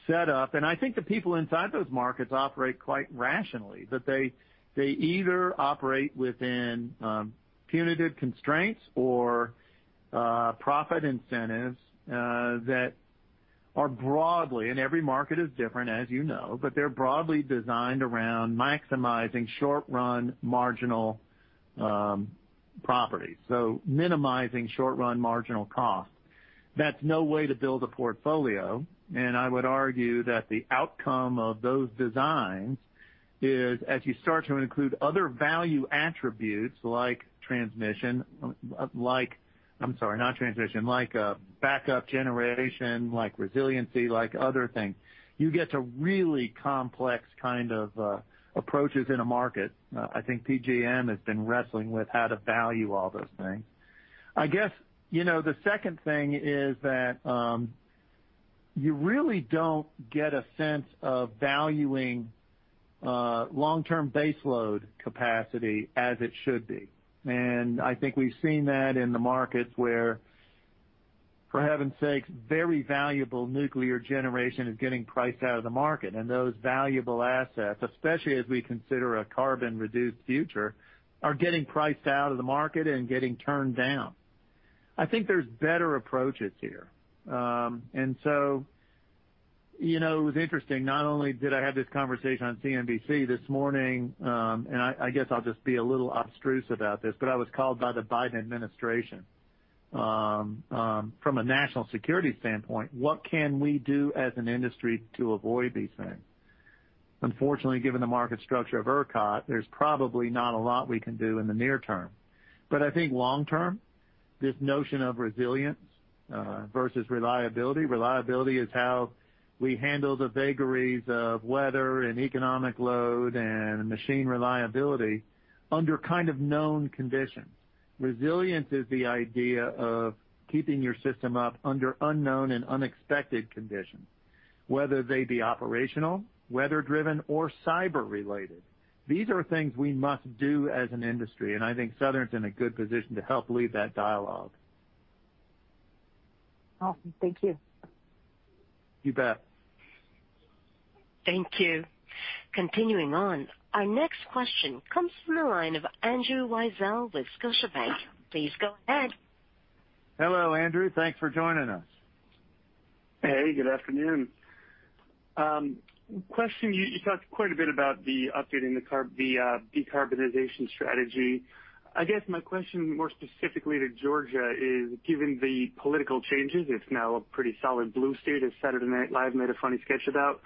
Speaker 3: set up, and I think the people inside those markets operate quite rationally, but they either operate within punitive constraints or profit incentives that are broadly, and every market is different, as you know, but they're broadly designed around maximizing short-run marginal properties. Minimizing short-run marginal costs. That's no way to build a portfolio, and I would argue that the outcome of those designs is as you start to include other value attributes like transmission, I'm sorry, not transmission, like backup generation, like resiliency, like other things, you get to really complex kind of approaches in a market. I think PJM has been wrestling with how to value all those things. I guess, the second thing is that you really don't get a sense of valuing long-term baseload capacity as it should be. I think we've seen that in the markets where, for heaven's sakes, very valuable nuclear generation is getting priced out of the market. Those valuable assets, especially as we consider a carbon reduced future, are getting priced out of the market and getting turned down. I think there's better approaches here. It was interesting, not only did I have this conversation on CNBC this morning, and I guess I'll just be a little abstruse about this, but I was called by the Biden administration. From a national security standpoint, what can we do as an industry to avoid these things? Unfortunately, given the market structure of ERCOT, there's probably not a lot we can do in the near term. I think long term, this notion of resilience versus reliability. Reliability is how we handle the vagaries of weather and economic load and machine reliability under known conditions. Resilience is the idea of keeping your system up under unknown and unexpected conditions, whether they be operational, weather driven, or cyber related. These are things we must do as an industry, and I think Southern's in a good position to help lead that dialogue.
Speaker 8: Awesome. Thank you.
Speaker 3: You bet.
Speaker 1: Thank you. Continuing on, our next question comes from the line of Andrew Weisel with Scotiabank. Please go ahead.
Speaker 3: Hello, Andrew. Thanks for joining us.
Speaker 9: Hey, good afternoon. Question, you talked quite a bit about the updating the decarbonization strategy. I guess my question more specifically to Georgia is, given the political changes, it's now a pretty solid blue state, as Saturday Night Live made a funny sketch about,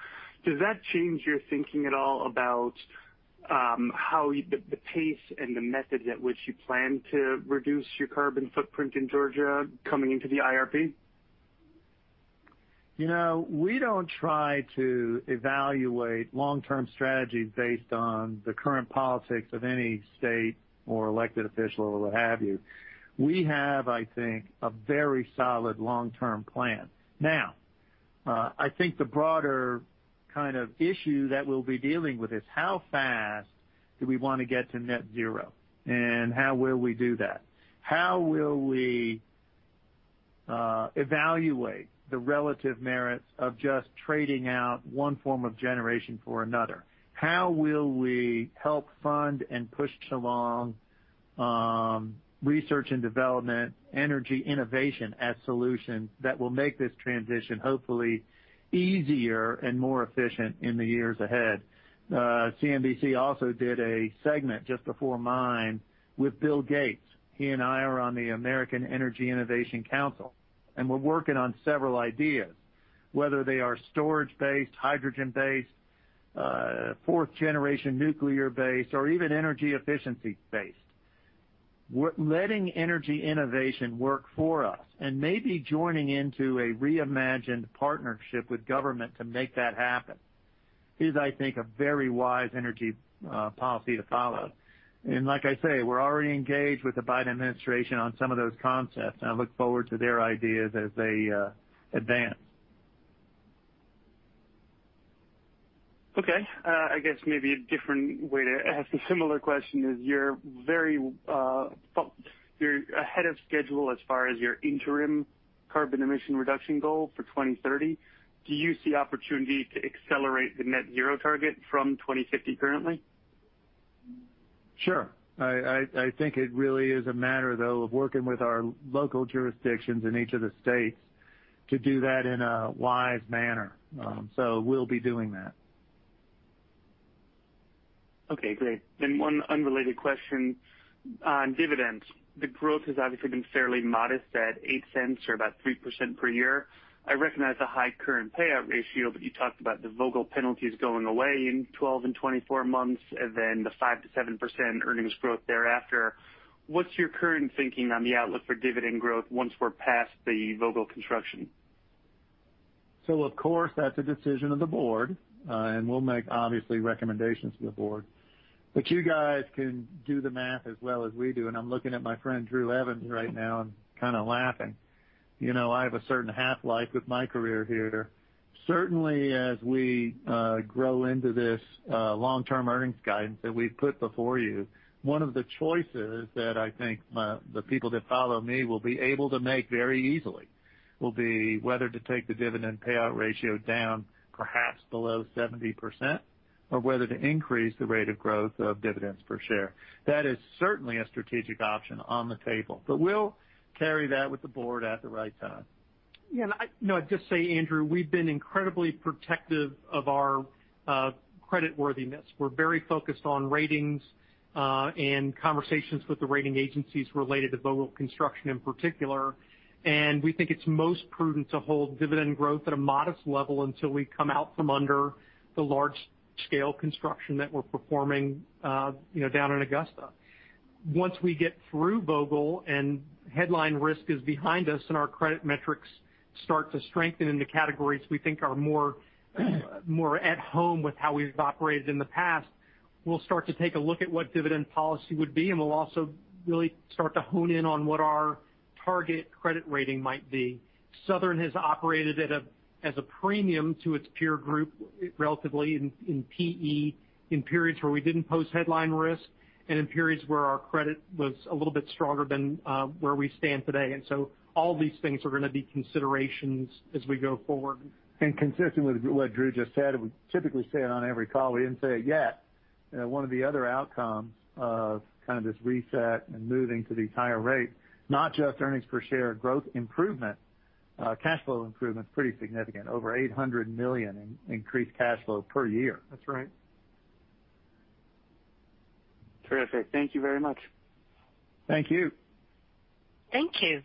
Speaker 9: does that change your thinking at all about how the pace and the method at which you plan to reduce your carbon footprint in Georgia coming into the IRP?
Speaker 3: We don't try to evaluate long-term strategies based on the current politics of any state or elected official or what have you. We have, I think, a very solid long-term plan. Now, I think the broader kind of issue that we'll be dealing with is how fast do we want to get to net zero, and how will we do that? How will we evaluate the relative merits of just trading out one form of generation for another? How will we help fund and push along research and development, energy innovation as solutions that will make this transition hopefully easier and more efficient in the years ahead? CNBC also did a segment just before mine with Bill Gates. He and I are on the American Energy Innovation Council, and we're working on several ideas, whether they are storage-based, hydrogen-based, fourth generation nuclear-based, or even energy efficiency-based. Letting energy innovation work for us and maybe joining into a reimagined partnership with government to make that happen is, I think, a very wise energy policy to follow. Like I say, we're already engaged with the Biden administration on some of those concepts, and I look forward to their ideas as they advance.
Speaker 9: Okay. I guess maybe a different way to ask a similar question is, you're ahead of schedule as far as your interim carbon emission reduction goal for 2030. Do you see opportunity to accelerate the net zero target from 2050 currently?
Speaker 3: Sure. I think it really is a matter, though, of working with our local jurisdictions in each of the states to do that in a wise manner. We'll be doing that.
Speaker 9: Okay, great. One unrelated question on dividends. The growth has obviously been fairly modest at $0.08 or about 3% per year. I recognize the high current payout ratio, but you talked about the Vogtle penalties going away in 12 and 24 months, and then the 5%-7% earnings growth thereafter. What's your current thinking on the outlook for dividend growth once we're past the Vogtle construction?
Speaker 3: Of course, that's a decision of the board, and we'll make, obviously, recommendations to the board. You guys can do the math as well as we do, and I'm looking at my friend Drew Evans right now and kind of laughing. I have a certain half-life with my career here. Certainly as we grow into this long-term earnings guidance that we've put before you, one of the choices that I think the people that follow me will be able to make very easily will be whether to take the dividend payout ratio down, perhaps below 70%, or whether to increase the rate of growth of dividends per share. That is certainly a strategic option on the table, but we'll carry that with the board at the right time.
Speaker 4: No, I'd just say, Andrew, we've been incredibly protective of our creditworthiness. We're very focused on ratings and conversations with the rating agencies related to Vogtle construction in particular, and we think it's most prudent to hold dividend growth at a modest level until we come out from under the large-scale construction that we're performing down in Augusta. Once we get through Vogtle and headline risk is behind us, and our credit metrics start to strengthen in the categories we think are more at home with how we've operated in the past, we'll start to take a look at what dividend policy would be, and we'll also really start to hone in on what our target credit rating might be. Southern has operated as a premium to its peer group, relatively in PE, in periods where we didn't pose headline risk, and in periods where our credit was a little bit stronger than where we stand today. All these things are going to be considerations as we go forward.
Speaker 3: Consistent with what Drew just said, and we typically say it on every call, we didn't say it yet, one of the other outcomes of kind of this reset and moving to the higher rate, not just earnings per share growth improvement, cash flow improvement's pretty significant. Over $800 million in increased cash flow per year.
Speaker 4: That's right.
Speaker 9: Terrific. Thank you very much.
Speaker 3: Thank you.
Speaker 1: Thank you.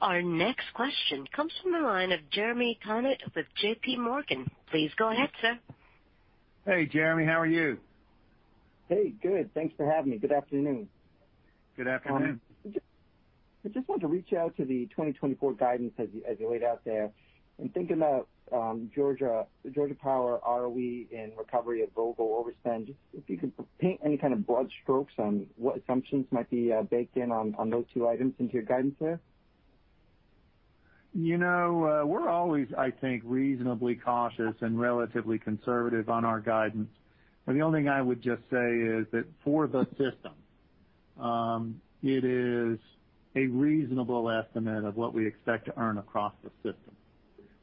Speaker 1: Our next question comes from the line of Jeremy Tonet with JPMorgan. Please go ahead, sir.
Speaker 3: Hey, Jeremy. How are you?
Speaker 10: Hey, good. Thanks for having me. Good afternoon.
Speaker 3: Good afternoon.
Speaker 10: I just want to reach out to the 2024 guidance as you laid out there, and thinking about Georgia Power ROE and recovery of Vogtle overspend, if you could paint any kind of broad strokes on what assumptions might be baked in on those two items into your guidance there?
Speaker 3: We're always, I think, reasonably cautious and relatively conservative on our guidance. The only thing I would just say is that for the system, it is a reasonable estimate of what we expect to earn across the system.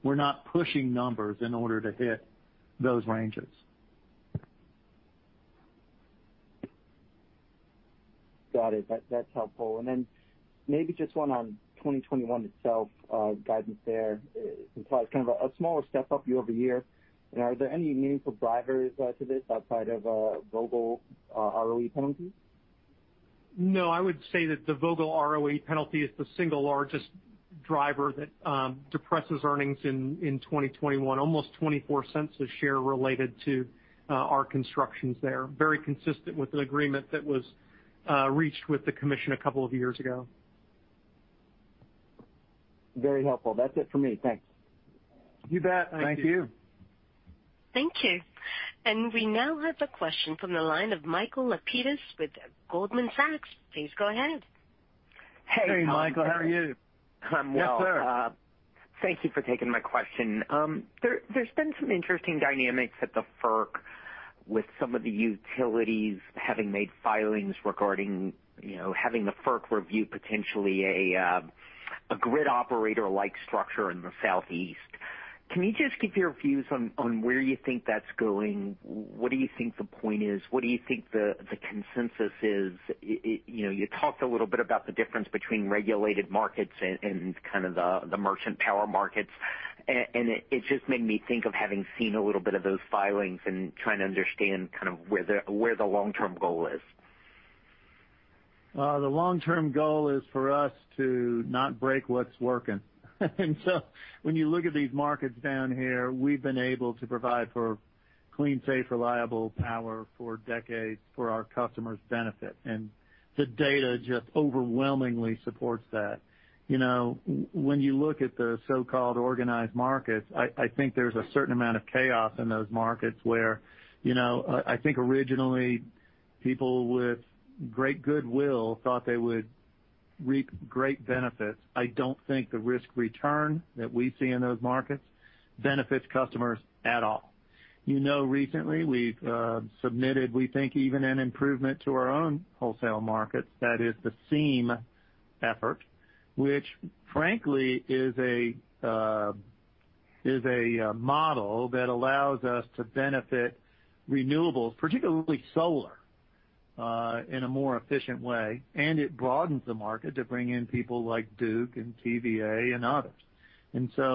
Speaker 3: We're not pushing numbers in order to hit those ranges.
Speaker 10: Got it. That's helpful. Maybe just one on 2021 itself, guidance there. It implies kind of a smaller step-up year-over-year. Are there any meaningful drivers to this outside of Vogtle ROE penalty?
Speaker 4: I would say that the Vogtle ROE penalty is the single largest driver that depresses earnings in 2021. Almost $0.24 a share related to our constructions there. Very consistent with an agreement that was reached with the commission a couple of years ago.
Speaker 10: Very helpful. That's it for me. Thanks.
Speaker 4: You bet. Thank you.
Speaker 3: Thank you.
Speaker 1: Thank you. We now have a question from the line of Michael Lapides with Goldman Sachs. Please go ahead.
Speaker 11: Hey, Tom.
Speaker 3: Hey, Michael. How are you?
Speaker 11: I'm well.
Speaker 3: Yes, sir.
Speaker 11: Thank you for taking my question. There's been some interesting dynamics at the FERC with some of the utilities having made filings regarding having the FERC review potentially a grid operator-like structure in the Southeast. Can you just give your views on where you think that's going? What do you think the point is? What do you think the consensus is? You talked a little bit about the difference between regulated markets and kind of the merchant power markets. It just made me think of having seen a little bit of those filings and trying to understand kind of where the long-term goal is.
Speaker 3: The long-term goal is for us to not break what's working. When you look at these markets down here, we've been able to provide for clean, safe, reliable power for decades for our customers' benefit, and the data just overwhelmingly supports that. When you look at the so-called organized markets, I think there's a certain amount of chaos in those markets where I think originally people with great goodwill thought they would reap great benefits. I don't think the risk-return that we see in those markets benefits customers at all. You know recently we've submitted, we think, even an improvement to our own wholesale markets. That is the SEEM effort, which frankly is a model that allows us to benefit renewables, particularly solar, in a more efficient way, and it broadens the market to bring in people like Duke and TVA and others.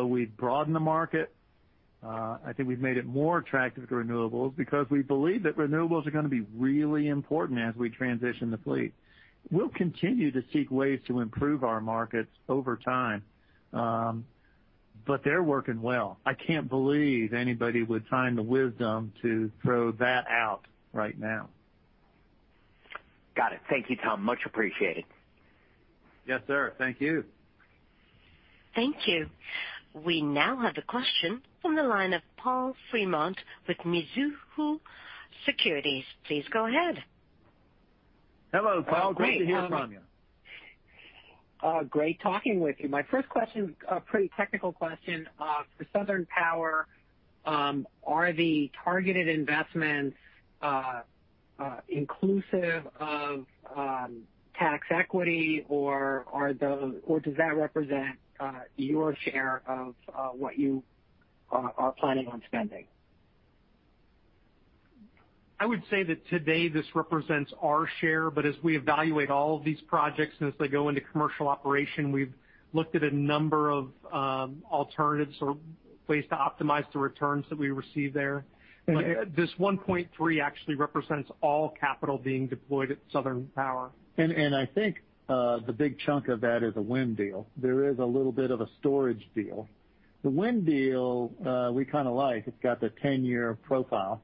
Speaker 3: We broaden the market. I think we've made it more attractive to renewables because we believe that renewables are going to be really important as we transition the fleet. We'll continue to seek ways to improve our markets over time, but they're working well. I can't believe anybody would find the wisdom to throw that out right now.
Speaker 11: Got it. Thank you, Tom. Much appreciated.
Speaker 3: Yes, sir. Thank you.
Speaker 1: Thank you. We now have a question from the line of Paul Fremont with Mizuho Securities. Please go ahead.
Speaker 3: Hello, Paul. Great to hear from you.
Speaker 12: Great talking with you. My first question is a pretty technical question. For Southern Power, are the targeted investments inclusive of tax equity, or does that represent your share of what you are planning on spending?
Speaker 4: I would say that today this represents our share, but as we evaluate all of these projects, and as they go into commercial operation, we've looked at a number of alternatives or ways to optimize the returns that we receive there. This $1.3 actually represents all capital being deployed at Southern Power.
Speaker 3: I think the big chunk of that is a wind deal. There is a little bit of a storage deal. The wind deal, we kind of like. It's got the 10-year profile.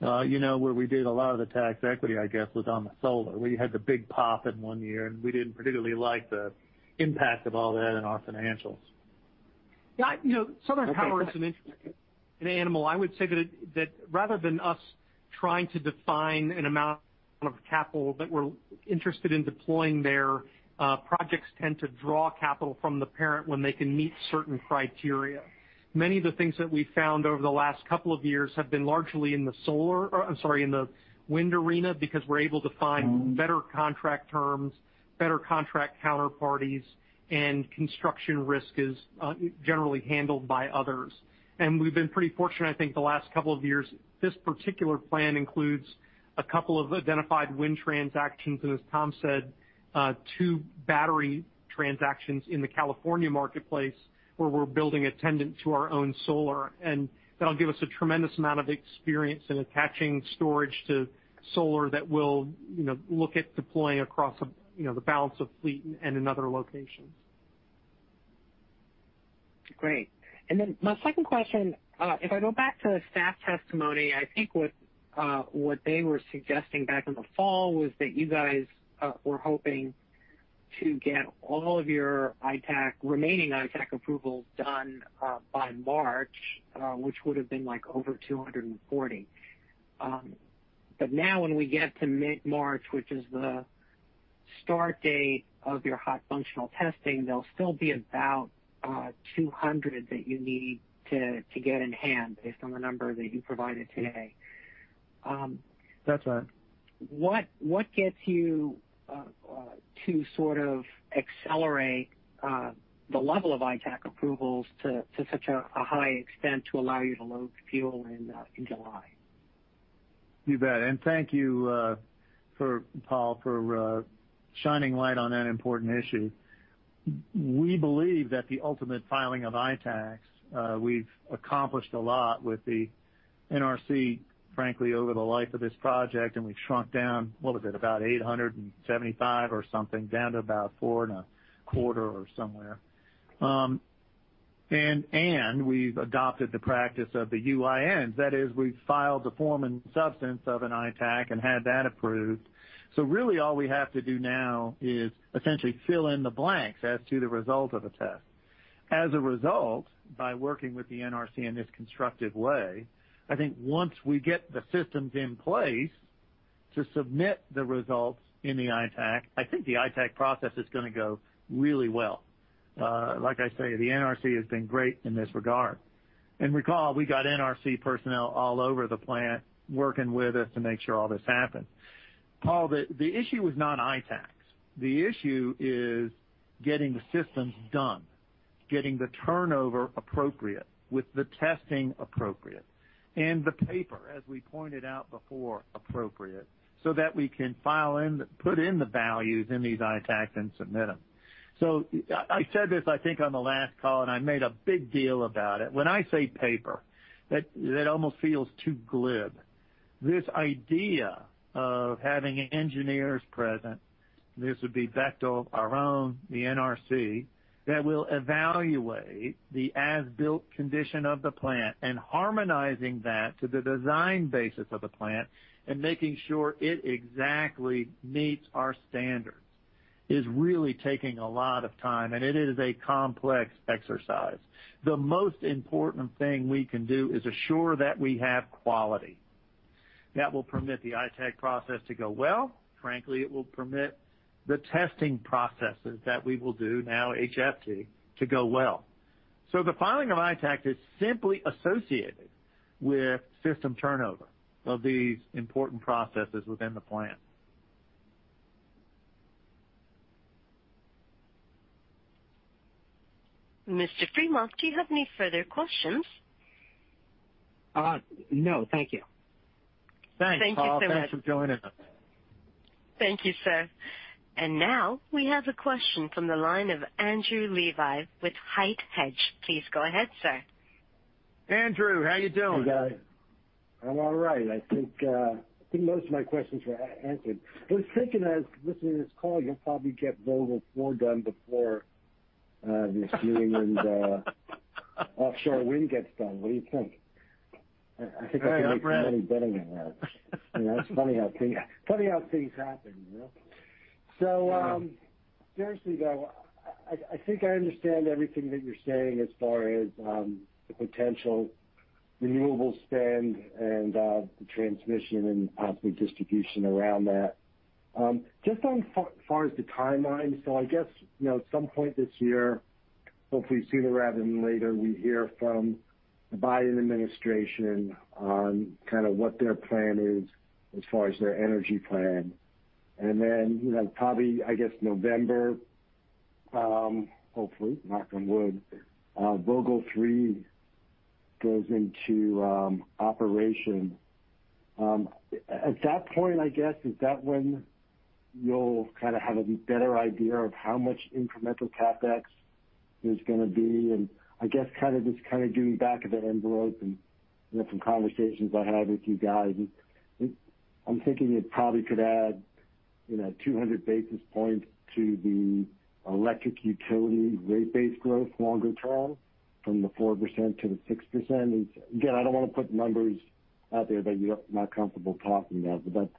Speaker 3: Where we did a lot of the tax equity, I guess, was on the solar. We had the big pop in one year, and we didn't particularly like the impact of all that in our financials.
Speaker 4: Yeah. Southern Power is an interesting animal. I would say that rather than us trying to define an amount of capital that we're interested in deploying there, projects tend to draw capital from the parent when they can meet certain criteria. Many of the things that we've found over the last couple of years have been largely in the wind arena, because we're able to find better contract terms, better contract counterparties, and construction risk is generally handled by others. We've been pretty fortunate, I think, the last couple of years. This particular plan includes a couple of identified wind transactions, and as Tom said, two battery transactions in the California marketplace, where we're building attendant to our own solar. That'll give us a tremendous amount of experience in attaching storage to solar that we'll look at deploying across the balance of fleet and in other locations.
Speaker 12: Great. My second question, if I go back to staff testimony, I think what they were suggesting back in the fall was that you guys were hoping to get all of your remaining ITAAC approvals done by March, which would've been over 240. Now when we get to mid-March, which is the start date of your hot functional testing, there'll still be about 200 that you need to get in hand based on the number that you provided today.
Speaker 3: That's right.
Speaker 12: What gets you to sort of accelerate the level of ITAAC approvals to such a high extent to allow you to load the fuel in July?
Speaker 3: You bet. Thank you, Paul, for shining light on that important issue. We believe that the ultimate filing of ITAACs, we've accomplished a lot with the NRC, frankly, over the life of this project, and we've shrunk down, what was it? About 875 or something down to about four and a quarter or somewhere. And we've adopted the practice of the UINs. That is, we've filed the form and substance of an ITAAC and had that approved. Really all we have to do now is essentially fill in the blanks as to the result of a test. As a result, by working with the NRC in this constructive way, I think once we get the systems in place to submit the results in the ITAAC, I think the ITAAC process is going to go really well. Like I say, the NRC has been great in this regard. Recall, we got NRC personnel all over the plant working with us to make sure all this happens. Paul, the issue is not ITAACs. The issue is getting the systems done, getting the turnover appropriate, with the testing appropriate, and the paper, as we pointed out before, appropriate, so that we can put in the values in these ITAACs and submit them. I said this, I think, on the last call, and I made a big deal about it. When I say paper, that almost feels too glib. This idea of having engineers present, this would be Bechtel, our own, the NRC, that will evaluate the as-built condition of the plant and harmonizing that to the design basis of the plant and making sure it exactly meets our standards, is really taking a lot of time, and it is a complex exercise. The most important thing we can do is assure that we have quality. That will permit the ITAAC process to go well. Frankly, it will permit the testing processes that we will do now, HFT, to go well. The filing of ITAAC is simply associated with system turnover of these important processes within the plant.
Speaker 1: Mr. Fremont, do you have any further questions?
Speaker 12: No. Thank you.
Speaker 3: Thanks, Paul.
Speaker 1: Thank you so much.
Speaker 3: Thanks for joining us.
Speaker 1: Thank you, sir. Now we have a question from the line of Andrew Levi with HITE Hedge. Please go ahead, sir.
Speaker 3: Andrew, how you doing?
Speaker 13: Hey, guys. I'm all right. I think most of my questions were answered. I was thinking as listening to this call, you'll probably get Vogtle 4 done before this New England offshore wind gets done. What do you think? I think I can make money betting on that. It's funny how things happen. Seriously though, I think I understand everything that you're saying as far as the potential renewable spend and the transmission and possibly distribution around that. Just on far as the timeline, so I guess, at some point this year, hopefully sooner rather than later, we hear from the Biden administration on kind of what their plan is as far as their energy plan. Probably, I guess November, hopefully, knock on wood, Vogtle 3 goes into operation. At that point, I guess, is that when you'll kind of have a better idea of how much incremental CapEx there's going to be? I guess just kind of doing back of the envelope and some conversations I had with you guys, I'm thinking it probably could add 200 basis points to the electric utility rate base growth longer term from the 4%-6%. I don't want to put numbers out there that you're not comfortable talking about, that's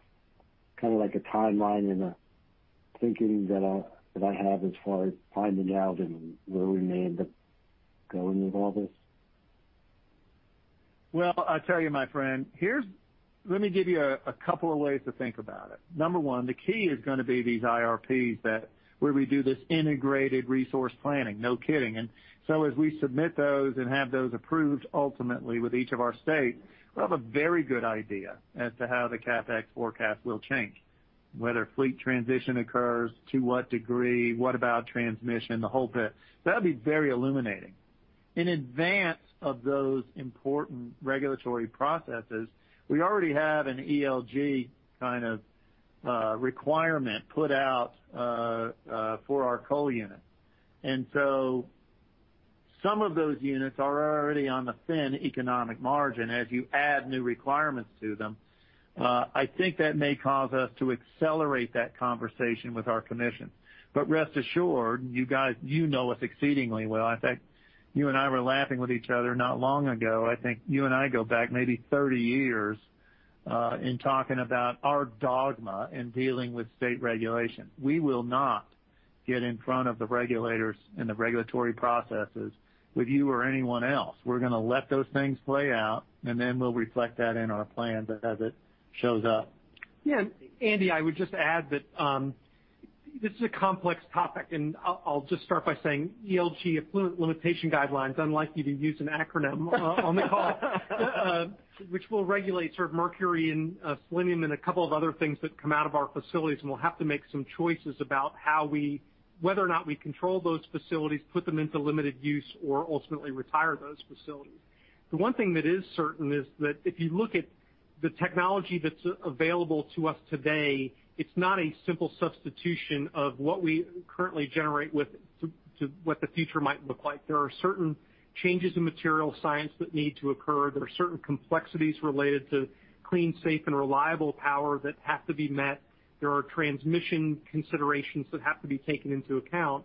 Speaker 13: kind of like a timeline and a thinking that I have as far as finding out and where we may end up going with all this.
Speaker 3: Well, I'll tell you, my friend. Let me give you a couple of ways to think about it. Number one, the key is going to be these IRPs, where we do this integrated resource planning. No kidding. As we submit those and have those approved ultimately with each of our states, we'll have a very good idea as to how the CapEx forecast will change, whether fleet transition occurs, to what degree, what about transmission, the whole bit. That'll be very illuminating. In advance of those important regulatory processes, we already have an ELG kind of requirement put out for our coal unit. Some of those units are already on the thin economic margin as you add new requirements to them. I think that may cause us to accelerate that conversation with our commission. Rest assured, you know us exceedingly well. In fact, you and I were laughing with each other not long ago. I think you and I go back maybe 30 years in talking about our dogma in dealing with state regulation. We will not get in front of the regulators in the regulatory processes with you or anyone else. We're going to let those things play out, and then we'll reflect that in our plan as it shows up.
Speaker 4: Yeah. Andy, I would just add that this is a complex topic. I'll just start by saying ELG, effluent limitation guidelines, unlikely to use an acronym on the call, which will regulate sort of mercury and selenium and a couple of other things that come out of our facilities. We'll have to make some choices about whether or not we control those facilities, put them into limited use, or ultimately retire those facilities. The one thing that is certain is that if you look at the technology that's available to us today, it's not a simple substitution of what we currently generate with to what the future might look like. There are certain changes in material science that need to occur. There are certain complexities related to clean, safe, and reliable power that have to be met. There are transmission considerations that have to be taken into account.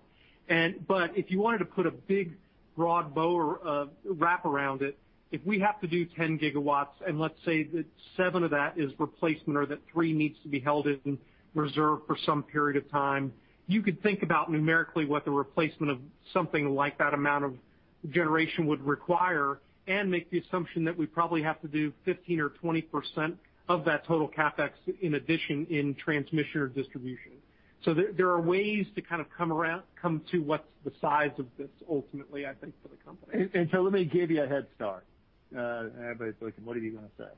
Speaker 4: If you wanted to put a big broad bow or wrap around it, if we have to do 10 GW, and let's say that seven of that is replacement or that needs to be held in reserve for some period of time, you could think about numerically what the replacement of something like that amount of generation would require and make the assumption that we probably have to do 15%-20% of that total CapEx in addition in transmission or distribution. There are ways to kind of come to what's the size of this ultimately, I think, for the company.
Speaker 3: Let me give you a head start. Everybody's thinking, what are you going to say?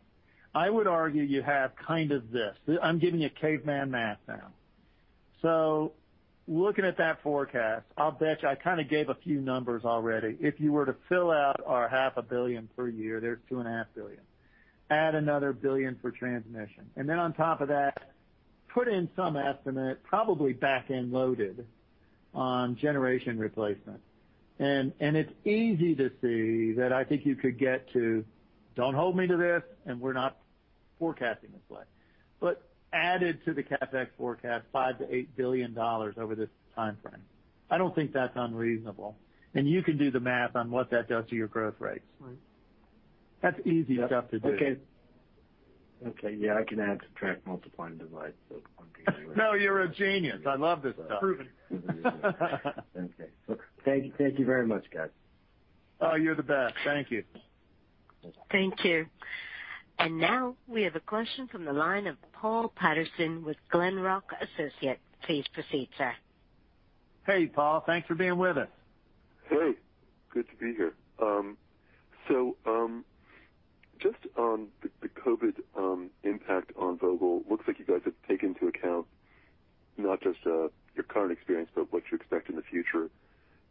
Speaker 3: I would argue you have kind of this. I'm giving you caveman math now. Looking at that forecast, I'll bet you, I kind of gave a few numbers already. If you were to fill out our half a billion per year, there's $2.5 billion. Add another $1 billion for transmission. Then on top of that, put in some estimate, probably back-end loaded, on generation replacement. It's easy to see that I think you could get to, don't hold me to this, and we're not forecasting this way, but added to the CapEx forecast, $5 billion-$8 billion over this timeframe. I don't think that's unreasonable. You can do the math on what that does to your growth rates.
Speaker 4: Right.
Speaker 3: That's easy stuff to do.
Speaker 13: Okay. Yeah, I can add, subtract, multiply, and divide. I'm good.
Speaker 3: No, you're a genius. I love this stuff.
Speaker 4: Proven.
Speaker 13: Okay. Thank you very much, guys.
Speaker 3: Oh, you're the best. Thank you.
Speaker 1: Thank you. Now we have a question from the line of Paul Patterson with Glenrock Associates. Please proceed, sir.
Speaker 3: Hey, Paul. Thanks for being with us.
Speaker 14: Hey, good to be here. Just on the COVID impact on Vogtle, looks like you guys have taken into account not just your current experience, but what you expect in the future.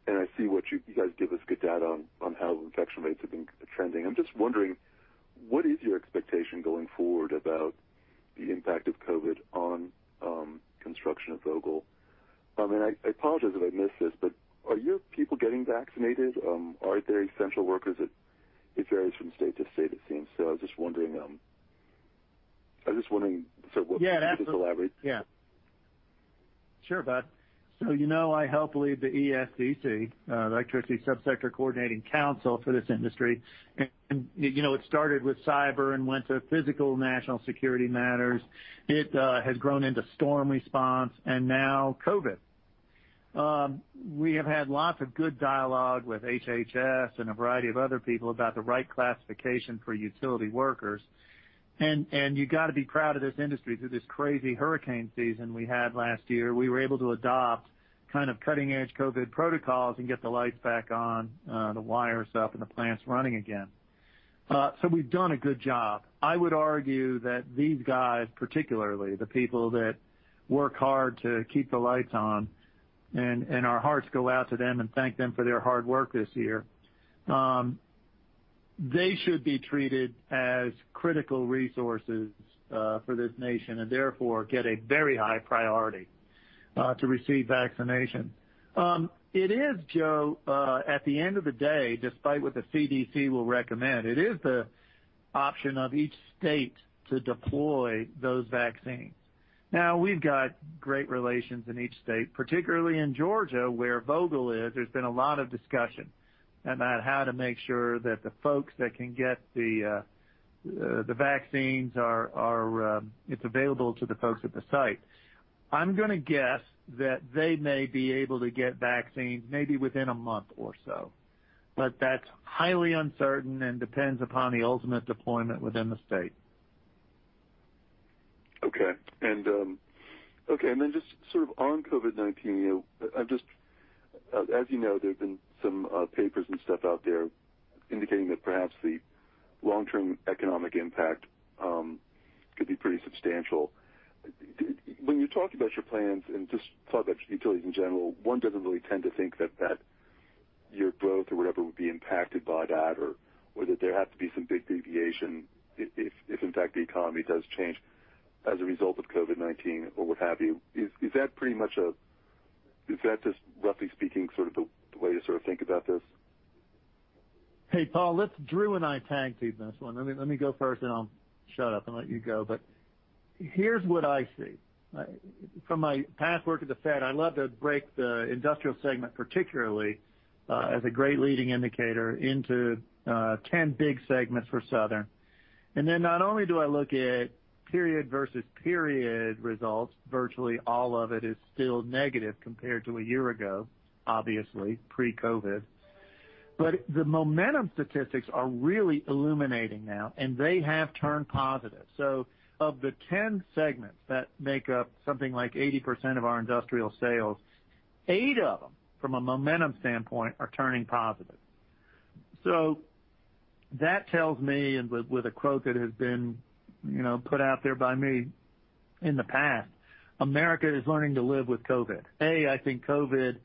Speaker 14: I see what you guys give us good data on how the infection rates have been trending. I'm just wondering, what is your expectation going forward about the impact of COVID on construction of Vogtle? I apologize if I missed this, are your people getting vaccinated? Are there essential workers, it varies from state to state, it seems. I was just wondering sort of what people elaborate.
Speaker 3: Yeah. Sure, bud. You know I help lead the ESCC, Electricity Subsector Coordinating Council, for this industry. It started with cyber and went to physical national security matters. It has grown into storm response and now COVID. We have had lots of good dialogue with HHS and a variety of other people about the right classification for utility workers. You got to be proud of this industry through this crazy hurricane season we had last year. We were able to adopt kind of cutting-edge COVID protocols and get the lights back on, the wires up, and the plants running again. We've done a good job. I would argue that these guys, particularly the people that work hard to keep the lights on, and our hearts go out to them and thank them for their hard work this year. They should be treated as critical resources for this nation and therefore get a very high priority to receive vaccination. It is, Joe, at the end of the day, despite what the CDC will recommend, it is the option of each state to deploy those vaccines. Now, we've got great relations in each state, particularly in Georgia, where Vogtle is. There's been a lot of discussion about how to make sure that the folks that can get the vaccines, it's available to the folks at the site. I'm going to guess that they may be able to get vaccines maybe within a month or so, but that's highly uncertain and depends upon the ultimate deployment within the state.
Speaker 14: Okay. Just sort of on COVID-19, as you know, there's been some papers and stuff out there indicating that perhaps the long-term economic impact could be pretty substantial. When you talk about your plans and just talk about utilities in general, one doesn't really tend to think that your growth or whatever would be impacted by that or whether there have to be some big deviation if in fact, the economy does change as a result of COVID-19 or what have you. Is that just roughly speaking, sort of the way to sort of think about this?
Speaker 3: Hey, Paul, let Drew and I tag-team this one. Let me go first, and I'll shut up and let you go. Here's what I see. From my past work at the Fed, I love to break the industrial segment, particularly as a great leading indicator into 10 big segments for Southern. Not only do I look at period versus period results, virtually all of it is still negative compared to a year ago, obviously pre-COVID. The momentum statistics are really illuminating now, and they have turned positive. Of the 10 segments that make up something like 80% of our industrial sales, eight of them from a momentum standpoint are turning positive. That tells me, and with a quote that has been put out there by me in the past, America is learning to live with COVID. I think COVID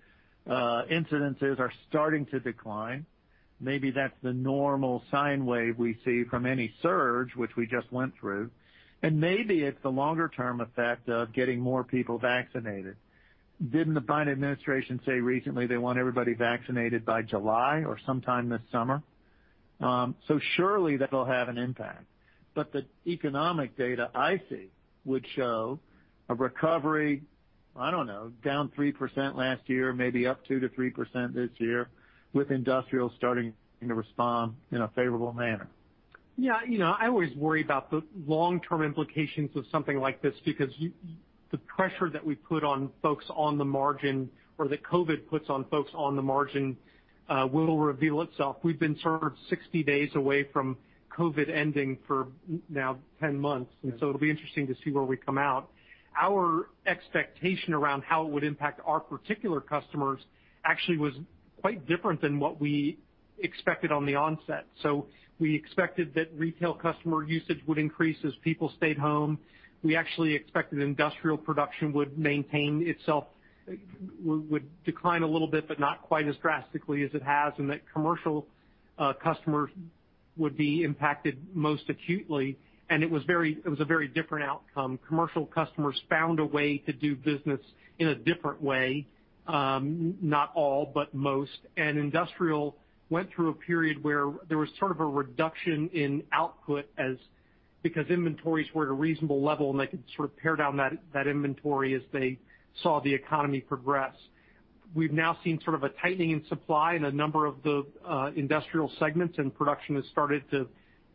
Speaker 3: incidences are starting to decline. Maybe that's the normal sine wave we see from any surge, which we just went through, and maybe it's the longer-term effect of getting more people vaccinated. Didn't the Biden administration say recently they want everybody vaccinated by July or sometime this summer? Surely that'll have an impact. The economic data I see would show a recovery, I don't know, down 3% last year, maybe up 2%-3% this year, with industrials starting to respond in a favorable manner.
Speaker 4: I always worry about the long-term implications of something like this, because the pressure that we put on folks on the margin or that COVID puts on folks on the margin will reveal itself. We've been sort of 60 days away from COVID ending for now 10 months, it'll be interesting to see where we come out. Our expectation around how it would impact our particular customers actually was quite different than what we expected on the onset. We expected that retail customer usage would increase as people stayed home. We actually expected industrial production would maintain itself, would decline a little bit, but not quite as drastically as it has, and that commercial customers would be impacted most acutely. It was a very different outcome. Commercial customers found a way to do business in a different way. Not all, but most. Industrial went through a period where there was sort of a reduction in output because inventories were at a reasonable level, and they could sort of pare down that inventory as they saw the economy progress. We've now seen sort of a tightening in supply in a number of the industrial segments, and production has started to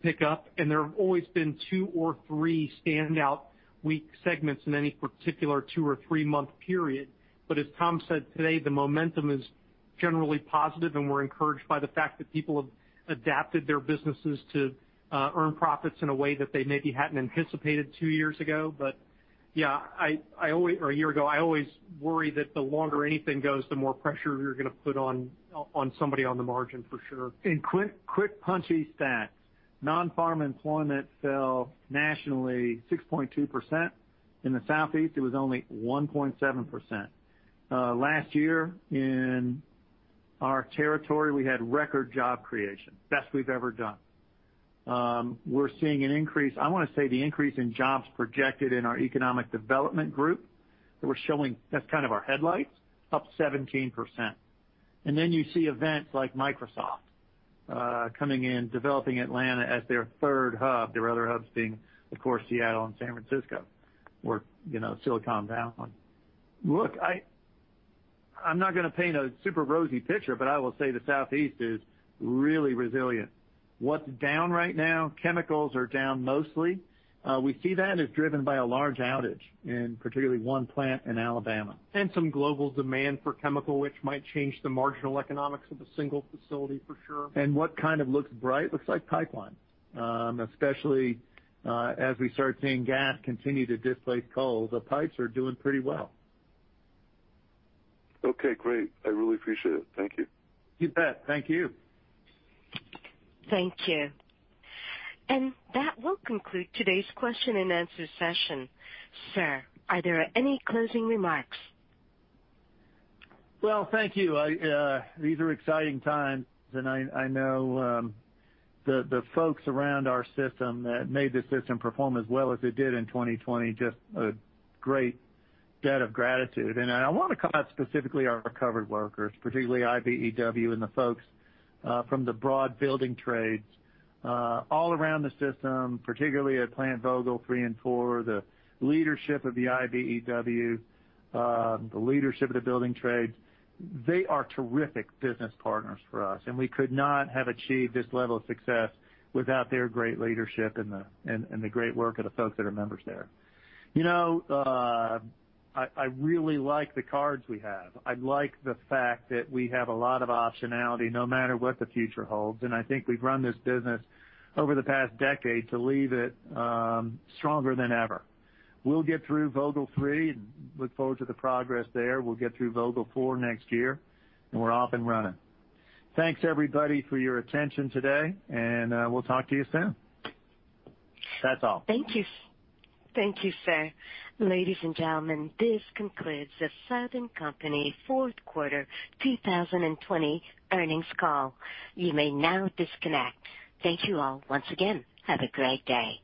Speaker 4: pick up, and there have always been two or three standout weak segments in any particular two or three month period. As Tom said today, the momentum is generally positive, and we're encouraged by the fact that people have adapted their businesses to earn pro-fits in a way that they maybe hadn't anticipated two years ago. Yeah, or a year ago. I always worry that the longer anything goes, the more pressure you're going to put on somebody on the margin for sure.
Speaker 3: In quick, punchy stats, non-farm employment fell nationally 6.2%. In the Southeast, it was only 1.7%. Last year in our territory, we had record job creation, best we've ever done. We're seeing an increase. I want to say the increase in jobs projected in our economic development group that we're showing, that's kind of our headlights, up 17%. You see events like Microsoft coming in, developing Atlanta as their third hub, their other hubs being, of course, Seattle and San Francisco, or Silicon Valley. Look, I'm not going to paint a super rosy picture, but I will say the Southeast is really resilient. What's down right now? Chemicals are down mostly. We see that as driven by a large outage in particularly one plant in Alabama.
Speaker 4: Some global demand for chemical, which might change the marginal economics of a single facility for sure.
Speaker 3: What kind of looks bright? Looks like pipeline. Especially as we start seeing gas continue to displace coal, the pipes are doing pretty well.
Speaker 14: Okay, great. I really appreciate it. Thank you.
Speaker 3: You bet. Thank you.
Speaker 1: Thank you. That will conclude today's question and answer session. Sir, are there any closing remarks?
Speaker 3: Well, thank you. These are exciting times, and I know the folks around our system that made the system perform as well as it did in 2020, just a great debt of gratitude. I want to call out specifically our recovered workers, particularly IBEW and the folks from the broad building trades all around the system, particularly at Plant Vogtle 3 and 4, the leadership of the IBEW, the leadership of the building trades. They are terrific business partners for us, and we could not have achieved this level of success without their great leadership and the great work of the folks that are members there. I really like the cards we have. I like the fact that we have a lot of optionality, no matter what the future holds. I think we've run this business over the past decade to leave it stronger than ever. We'll get through Vogtle 3 and look forward to the progress there. We'll get through Vogtle 4 next year, and we're off and running. Thanks, everybody, for your attention today, and we'll talk to you soon. That's all.
Speaker 1: Thank you. Thank you, sir. Ladies and gentlemen, this concludes The Southern Company fourth quarter 2020 earnings call. You may now disconnect. Thank you all once again. Have a great day.